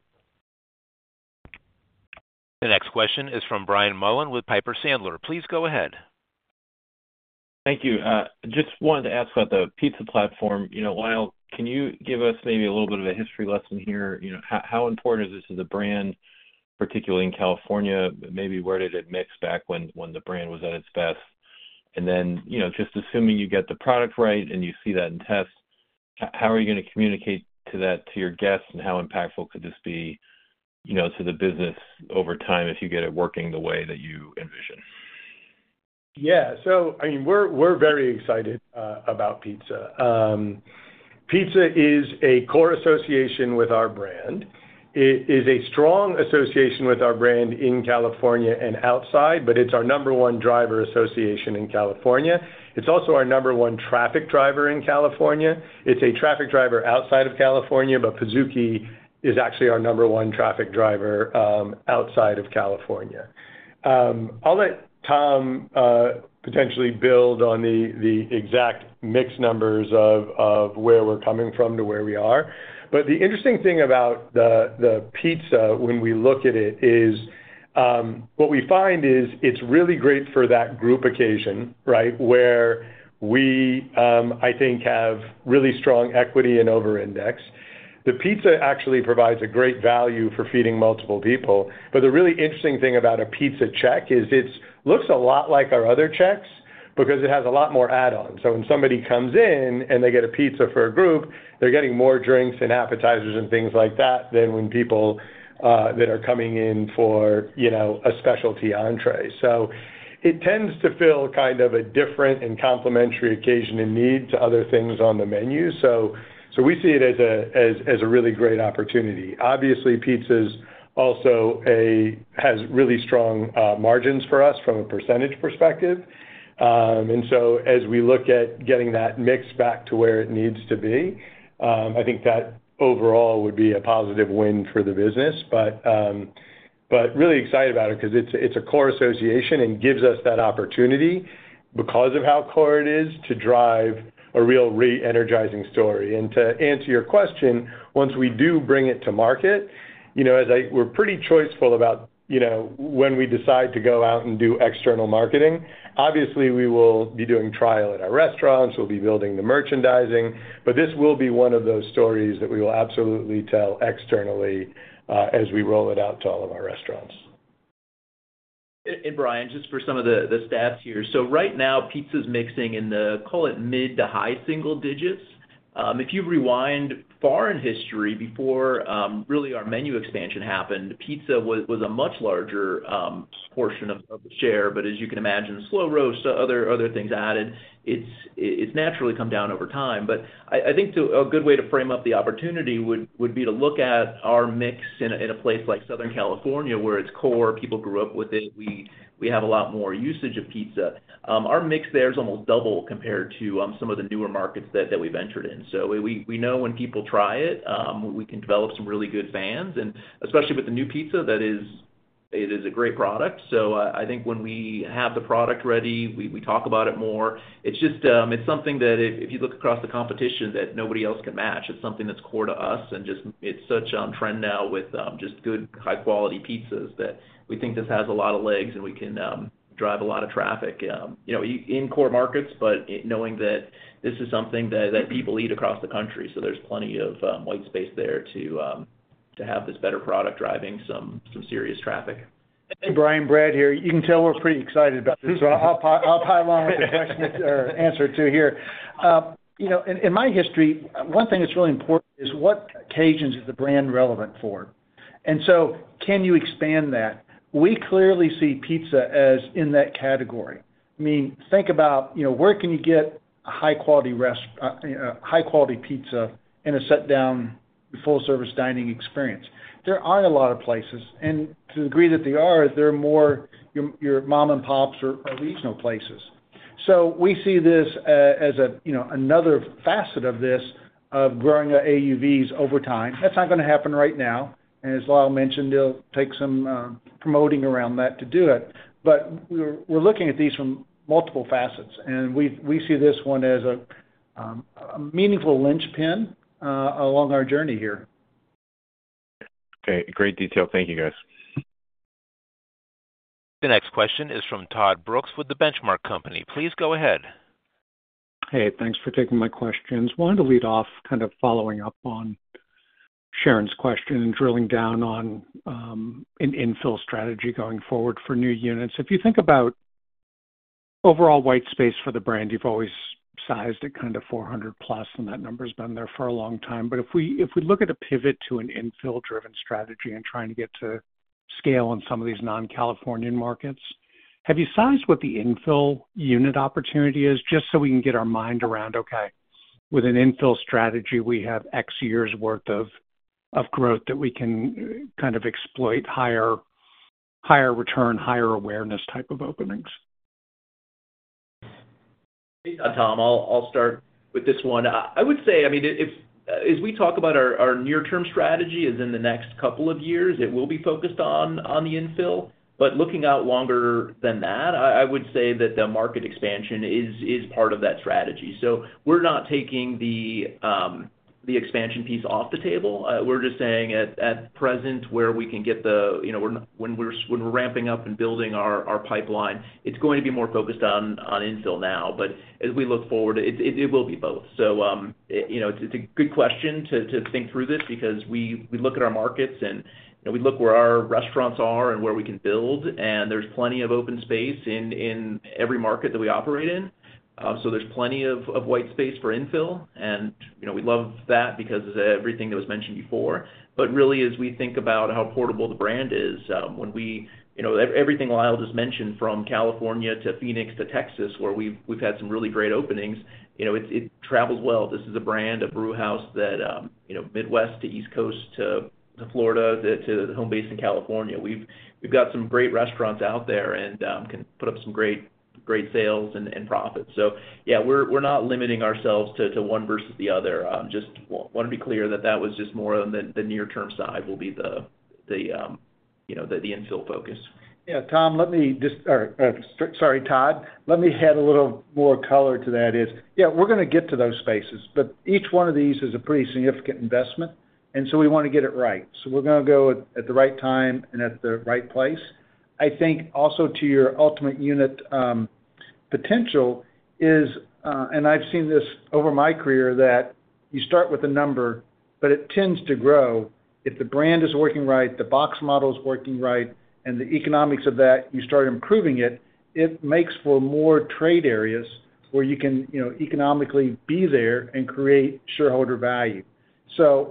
The next question is from Brian Mullan with Piper Sandler. Please go ahead. Thank you. Just wanted to ask about the pizza platform. Lyle, can you give us maybe a little bit of a history lesson here? How important is this as a brand, particularly in California? Maybe where did it mix back when the brand was at its best? Just assuming you get the product right and you see that in test, how are you going to communicate that to your guests, and how impactful could this be to the business over time if you get it working the way that you envision? Yeah. I mean, we're very excited about pizza. Pizza is a core association with our brand. It is a strong association with our brand in California and outside, but it's our number one driver association in California. It's also our number one traffic driver in California. It's a traffic driver outside of California, but Pizookie is actually our number one traffic driver outside of California. I'll let Tom potentially build on the exact mix numbers of where we're coming from to where we are. The interesting thing about the pizza, when we look at it, is what we find is it's really great for that group occasion, right, where we, I think, have really strong equity and over-index. The pizza actually provides a great value for feeding multiple people. The really interesting thing about a pizza check is it looks a lot like our other checks because it has a lot more add-ons. When somebody comes in and they get a pizza for a group, they're getting more drinks and appetizers and things like that than when people that are coming in for a specialty entree. It tends to fill kind of a different and complementary occasion and need to other things on the menu. We see it as a really great opportunity. Obviously, pizza also has really strong margins for us from a percentage perspective. As we look at getting that mix back to where it needs to be, I think that overall would be a positive win for the business. I am really excited about it because it is a core association and gives us that opportunity because of how core it is to drive a real re-energizing story. To answer your question, once we do bring it to market, we are pretty choiceful about when we decide to go out and do external marketing. Obviously, we will be doing trial at our restaurants. We will be building the merchandising. This will be one of those stories that we will absolutely tell externally as we roll it out to all of our restaurants. Brian, just for some of the stats here. Right now, pizza is mixing in the, call it, mid to high single-digits. If you rewind far in history before really our menu expansion happened, pizza was a much larger portion of the share. As you can imagine, slow roast, other things added, it's naturally come down over time. I think a good way to frame up the opportunity would be to look at our mix in a place like Southern California where it's core, people grew up with it. We have a lot more usage of pizza. Our mix there is almost double compared to some of the newer markets that we've entered in. We know when people try it, we can develop some really good fans. Especially with the new pizza, it is a great product. I think when we have the product ready, we talk about it more. It's something that if you look across the competition that nobody else can match. It's something that's core to us. It's such on trend now with just good, high-quality pizzas that we think this has a lot of legs and we can drive a lot of traffic in core markets, knowing that this is something that people eat across the country. There's plenty of white space there to have this better product driving some serious traffic. Hey, Brian, Brad here. You can tell we're pretty excited about this. I'll pile on with a question or answer too here. In my history, one thing that's really important is what occasions is the brand relevant for? Can you expand that? We clearly see pizza as in that category. I mean, think about where can you get a high-quality pizza in a sit-down, full-service dining experience? There aren't a lot of places. To the degree that there are, they're more your mom-and-pops or regional places. We see this as another facet of this of growing AUVs over time. That's not going to happen right now. As Lyle mentioned, it'll take some promoting around that to do it. We're looking at these from multiple facets. We see this one as a meaningful linchpin along our journey here. Okay. Great detail. Thank you, guys. The next question is from Todd Brooks with The Benchmark Company. Please go ahead. Hey, thanks for taking my questions. Wanted to lead off kind of following up on Sharon's question and drilling down on an infill strategy going forward for new units. If you think about overall white space for the brand, you've always sized at kind of 400+, and that number's been there for a long time. If we look at a pivot to an infill-driven strategy and trying to get to scale on some of these non-Californian markets, have you sized what the infill unit opportunity is just so we can get our mind around, okay, with an infill strategy, we have X years' worth of growth that we can kind of exploit higher return, higher awareness type of openings? Hey, Todd, I'll start with this one. I would say, I mean, as we talk about our near-term strategy is in the next couple of years, it will be focused on the infill. Looking out longer than that, I would say that the market expansion is part of that strategy. We're not taking the expansion piece off the table. We're just saying at present where we can get the when we're ramping up and building our pipeline, it's going to be more focused on infill now. As we look forward, it will be both. It's a good question to think through this because we look at our markets and we look where our restaurants are and where we can build. There's plenty of open space in every market that we operate in. There's plenty of white space for infill. We love that because of everything that was mentioned before. Really, as we think about how portable the brand is, when everything Lyle just mentioned from California to Phoenix to Texas where we've had some really great openings, it travels well. This is a brand, a brewhouse that Midwest to East Coast to Florida to home base in California. We've got some great restaurants out there and can put up some great sales and profits. Yeah, we're not limiting ourselves to one versus the other. Just wanted to be clear that that was just more on the near-term side will be the infill focus. Yeah. Tom, let me just—sorry, Todd, let me add a little more color to that. Yeah, we're going to get to those spaces. Each one of these is a pretty significant investment. We want to get it right. We're going to go at the right time and at the right place. I think also to your ultimate unit potential is, and I've seen this over my career, that you start with a number, but it tends to grow. If the brand is working right, the box model is working right, and the economics of that, you start improving it, it makes for more trade areas where you can economically be there and create shareholder value.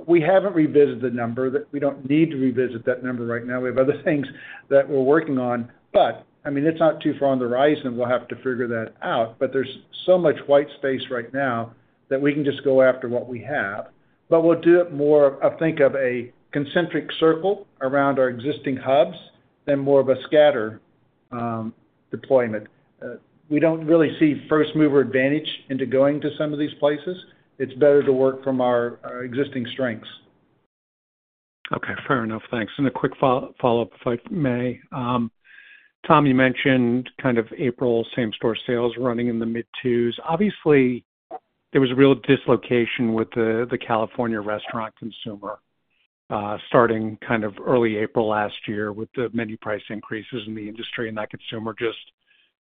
We haven't revisited the number. We don't need to revisit that number right now. We have other things that we're working on. I mean, it's not too far on the horizon. We'll have to figure that out. There is so much white space right now that we can just go after what we have. We'll do it more of, I think, a concentric circle around our existing hubs than more of a scatter deployment. We don't really see first-mover advantage into going to some of these places. It's better to work from our existing strengths. Okay. Fair enough. Thanks. A quick follow-up, if I may. Tom, you mentioned kind of April, same-store sales running in the mid-2s. Obviously, there was a real dislocation with the California restaurant consumer starting kind of early April last year with the menu price increases in the industry and that consumer just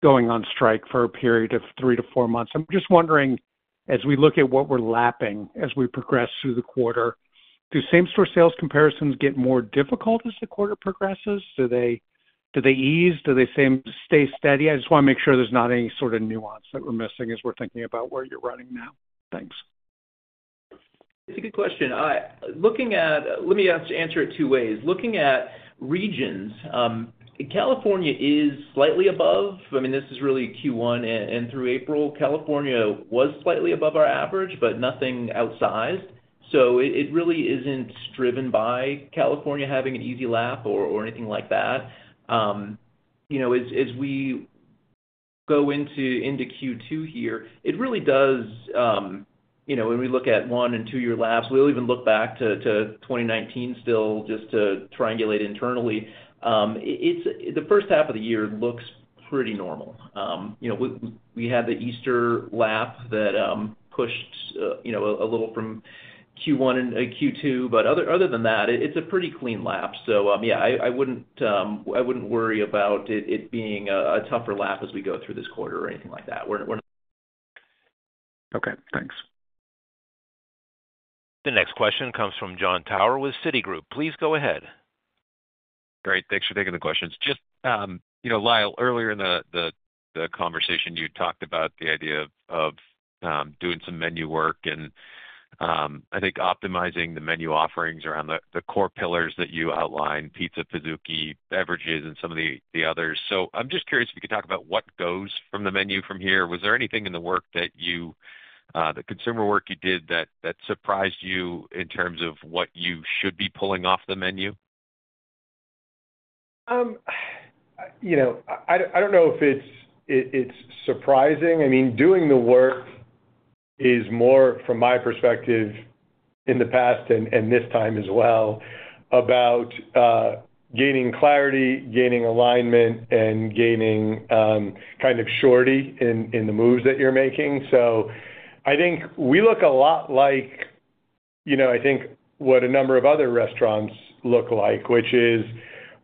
going on strike for a period of three to four months. I'm just wondering, as we look at what we're lapping as we progress through the quarter, do same-store sales comparisons get more difficult as the quarter progresses? Do they ease? Do they stay steady? I just want to make sure there's not any sort of nuance that we're missing as we're thinking about where you're running now. Thanks. It's a good question. Let me answer it two ways. Looking at regions, California is slightly above. I mean, this is really Q1 and through April. California was slightly above our average, but nothing outsized. It really isn't driven by California having an easy lap or anything like that. As we go into Q2 here, it really does—when we look at one and two-year laps, we'll even look back to 2019 still just to triangulate internally. The first half of the year looks pretty normal. We had the Easter lap that pushed a little from Q1 and Q2. Other than that, it's a pretty clean lap. Yeah, I wouldn't worry about it being a tougher lap as we go through this quarter or anything like that. We're not. Okay. Thanks. The next question comes from Jon Tower with Citigroup. Please go ahead. Great. Thanks for taking the questions. Just, Lyle, earlier in the conversation, you talked about the idea of doing some menu work and, I think, optimizing the menu offerings around the core pillars that you outlined: pizza, Pizookie, beverages, and some of the others. I'm just curious if you could talk about what goes from the menu from here. Was there anything in the work that you—the consumer work you did—that surprised you in terms of what you should be pulling off the menu? I don't know if it's surprising. I mean, doing the work is more, from my perspective, in the past and this time as well, about gaining clarity, gaining alignment, and gaining kind of surety in the moves that you're making. I think we look a lot like, I think, what a number of other restaurants look like, which is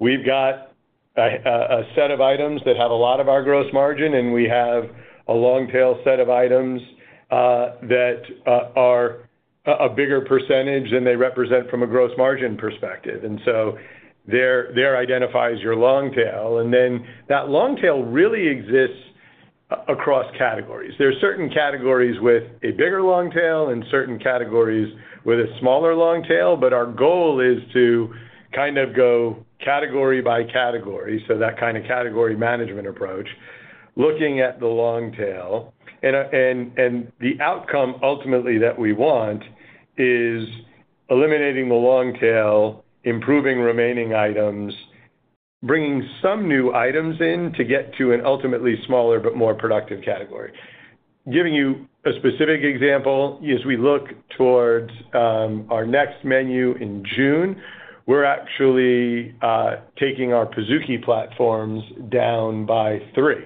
we've got a set of items that have a lot of our gross margin, and we have a long tail set of items that are a bigger percentage than they represent from a gross margin perspective. There identifies your long tail. That long tail really exists across categories. There are certain categories with a bigger long tail and certain categories with a smaller long tail. Our goal is to kind of go category by category. That kind of category management approach, looking at the long tail. The outcome ultimately that we want is eliminating the long tail, improving remaining items, bringing some new items in to get to an ultimately smaller but more productive category. Giving you a specific example, as we look towards our next menu in June, we're actually taking our Pizookie platforms down by three.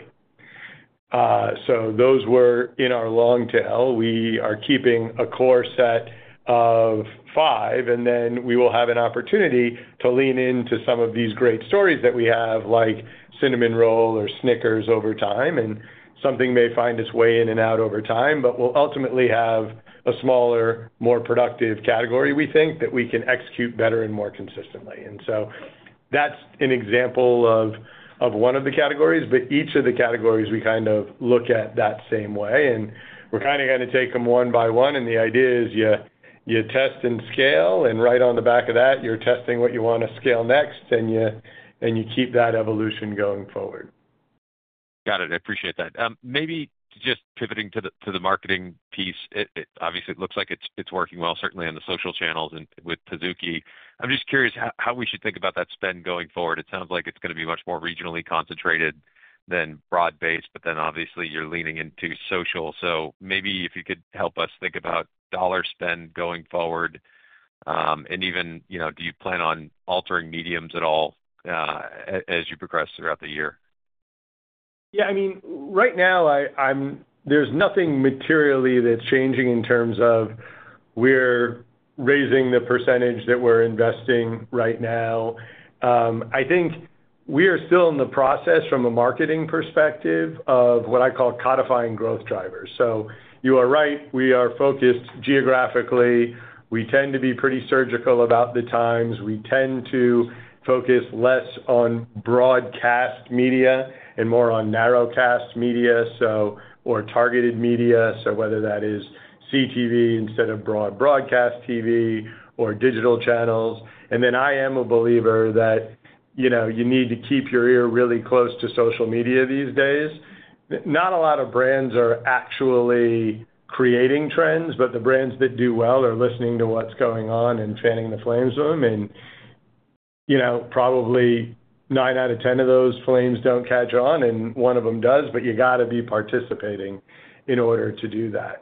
Those were in our long tail. We are keeping a core set of five. We will have an opportunity to lean into some of these great stories that we have, like Cinnamon Roll or Snickers over time. Something may find its way in and out over time, but we'll ultimately have a smaller, more productive category, we think, that we can execute better and more consistently. That is an example of one of the categories. Each of the categories, we kind of look at that same way. We are kind of going to take them one by one. The idea is you test and scale. Right on the back of that, you're testing what you want to scale next, and you keep that evolution going forward. Got it. I appreciate that. Maybe just pivoting to the marketing piece, obviously, it looks like it's working well, certainly on the social channels and with Pizookie. I'm just curious how we should think about that spend going forward. It sounds like it's going to be much more regionally concentrated than broad-based. Obviously, you're leaning into social. Maybe if you could help us think about dollar spend going forward. Do you plan on altering mediums at all as you progress throughout the year? Yeah. I mean, right now, there's nothing materially that's changing in terms of we're raising the percentage that we're investing right now. I think we are still in the process, from a marketing perspective, of what I call codifying growth drivers. You are right. We are focused geographically. We tend to be pretty surgical about the times. We tend to focus less on broadcast media and more on narrowcast media or targeted media. Whether that is CTV instead of broad broadcast TV or digital channels. I am a believer that you need to keep your ear really close to social media these days. Not a lot of brands are actually creating trends, but the brands that do well are listening to what's going on and fanning the flames for them. Probably nine out of 10 of those flames do not catch on, and one of them does. You have to be participating in order to do that.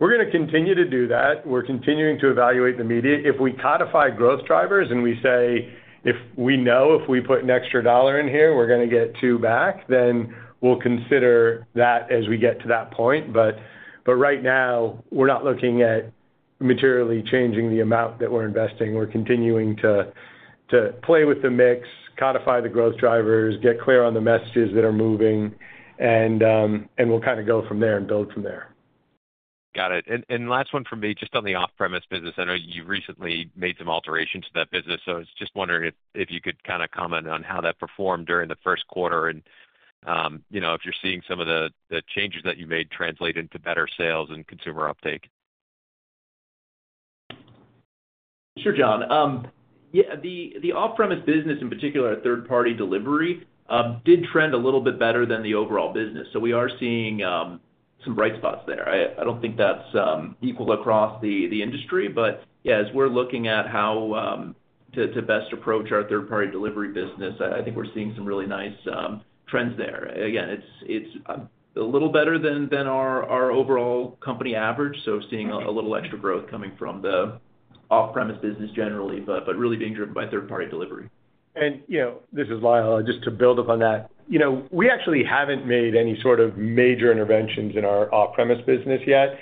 We are going to continue to do that. We're continuing to evaluate the media. If we codify growth drivers and we say, "If we know if we put an extra dollar in here, we're going to get two back," then we'll consider that as we get to that point. Right now, we're not looking at materially changing the amount that we're investing. We're continuing to play with the mix, codify the growth drivers, get clear on the messages that are moving, and we'll kind of go from there and build from there. Got it. Last one for me, just on the off-premise business. I know you recently made some alterations to that business. I was just wondering if you could kind of comment on how that performed during the first quarter and if you're seeing some of the changes that you made translate into better sales and consumer uptake. Sure, Jon. Yeah. The off-premise business, in particular, third-party delivery did trend a little bit better than the overall business. We are seeing some bright spots there. I do not think that is equal across the industry. As we are looking at how to best approach our third-party delivery business, I think we are seeing some really nice trends there. It is a little better than our overall company average. We are seeing a little extra growth coming from the off-premise business generally, but really being driven by third-party delivery. This is Lyle, just to build upon that. We actually have not made any sort of major interventions in our off-premise business yet.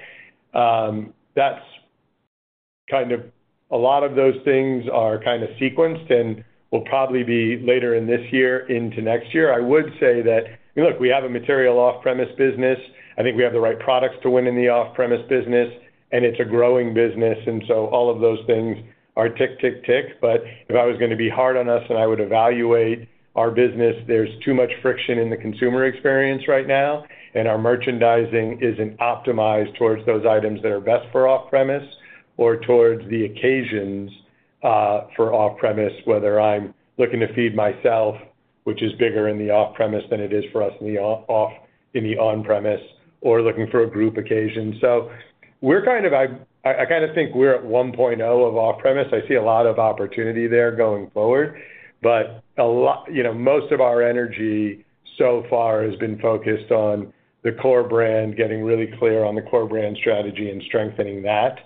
A lot of those things are sequenced and will probably be later in this year into next year. I would say that we have a material off-premise business. I think we have the right products to win in the off-premise business. It is a growing business. All of those things are tick, tick, tick. If I was going to be hard on us and I would evaluate our business, there is too much friction in the consumer experience right now. Our merchandising is not optimized towards those items that are best for off-premise or towards the occasions for off-premise, whether I am looking to feed myself, which is bigger in the off-premise than it is for us in the on-premise, or looking for a group occasion. I kind of think we are at 1.0 of off-premise. I see a lot of opportunity there going forward. Most of our energy so far has been focused on the core brand, getting really clear on the core brand strategy and strengthening that.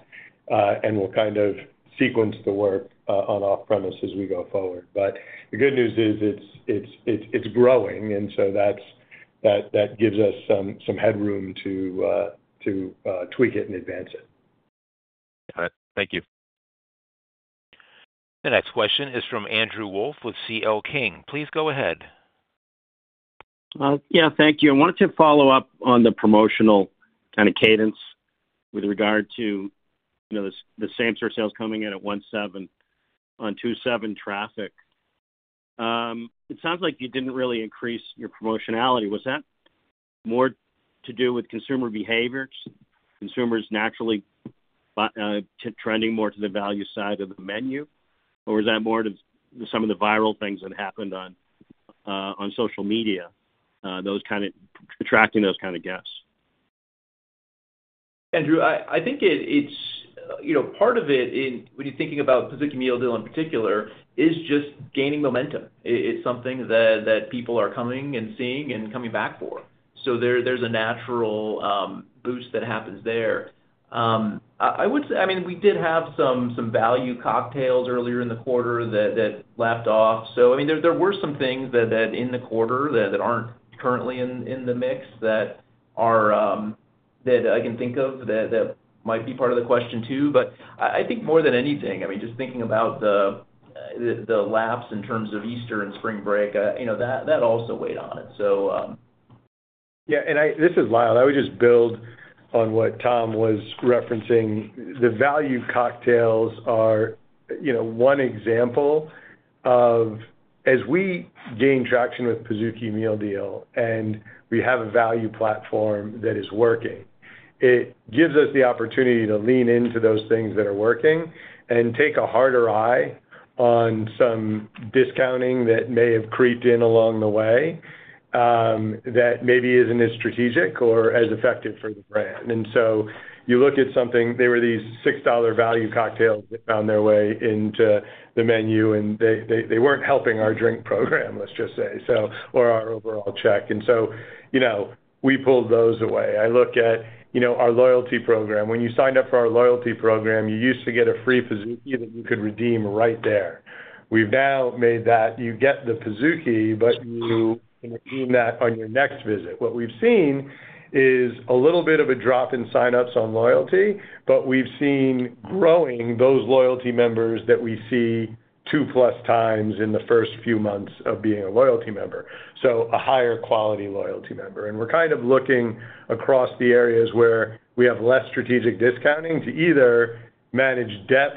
We'll kind of sequence the work on off-premise as we go forward. The good news is it's growing, and that gives us some headroom to tweak it and advance it. Got it. Thank you. The next question is from Andrew Wolf with C.L. King. Please go ahead. Yeah, thank you. I wanted to follow up on the promotional kind of cadence with regard to the same-store sales coming in at 1.7% on 2.7% traffic. It sounds like you didn't really increase your promotionality. Was that more to do with consumer behaviors, consumers naturally trending more to the value side of the menu, or was that more to some of the viral things that happened on social media, attracting those kind of guests? Andrew, I think part of it, when you're thinking about Pizookie Meal Deal in particular, is just gaining momentum. It's something that people are coming and seeing and coming back for. There's a natural boost that happens there. I would say, I mean, we did have some value cocktails earlier in the quarter that left off. There were some things in the quarter that aren't currently in the mix that I can think of that might be part of the question too. I think more than anything, just thinking about the laps in terms of Easter and spring break, that also weighed on it. Yeah. This is Lyle. I would just build on what Tom was referencing. The value cocktails are one example of, as we gain traction with Pizookie Meal Deal and we have a value platform that is working, it gives us the opportunity to lean into those things that are working and take a harder eye on some discounting that may have creeped in along the way that maybe is not as strategic or as effective for the brand. You look at something, there were these $6 value cocktails that found their way into the menu, and they were not helping our drink program, let's just say, or our overall check. We pulled those away. I look at our loyalty program. When you signed up for our loyalty program, you used to get a free Pizookie that you could redeem right there. We have now made that you get the Pizookie, but you redeem that on your next visit. What we've seen is a little bit of a drop in signups on loyalty, but we've seen growing those loyalty members that we see two-plus times in the first few months of being a loyalty member, so a higher-quality loyalty member. We're kind of looking across the areas where we have less strategic discounting to either manage depth,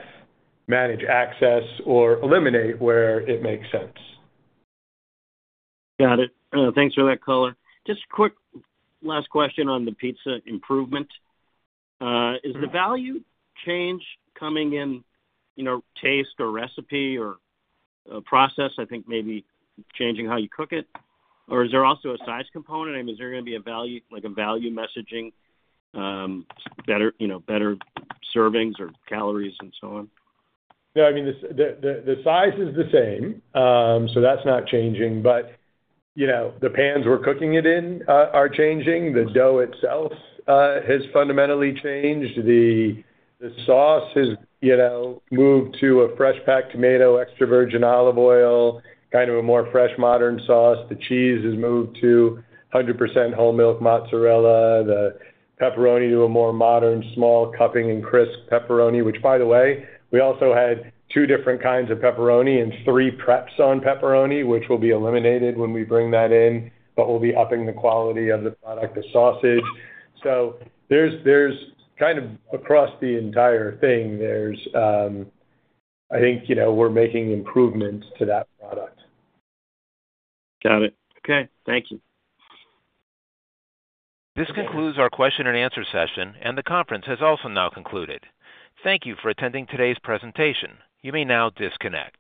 manage access, or eliminate where it makes sense. Got it. Thanks for that, color. Just a quick last question on the pizza improvement. Is the value change coming in taste or recipe or process, I think maybe changing how you cook it? Is there also a size component? I mean, is there going to be a value messaging, better servings or calories, and so on? Yeah. I mean, the size is the same. That's not changing. The pans we're cooking it in are changing. The dough itself has fundamentally changed. The sauce has moved to a fresh-packed tomato, extra virgin olive oil, kind of a more fresh, modern sauce. The cheese has moved to 100% whole milk mozzarella. The pepperoni to a more modern, small, cupping, and crisp pepperoni, which, by the way, we also had two different kinds of pepperoni and three preps on pepperoni, which will be eliminated when we bring that in, but we will be upping the quality of the product, the sausage. Kind of across the entire thing, I think we are making improvements to that product. Got it. Okay. Thank you. This concludes our question-and-answer session, and the conference has also now concluded. Thank you for attending today's presentation. You may now disconnect.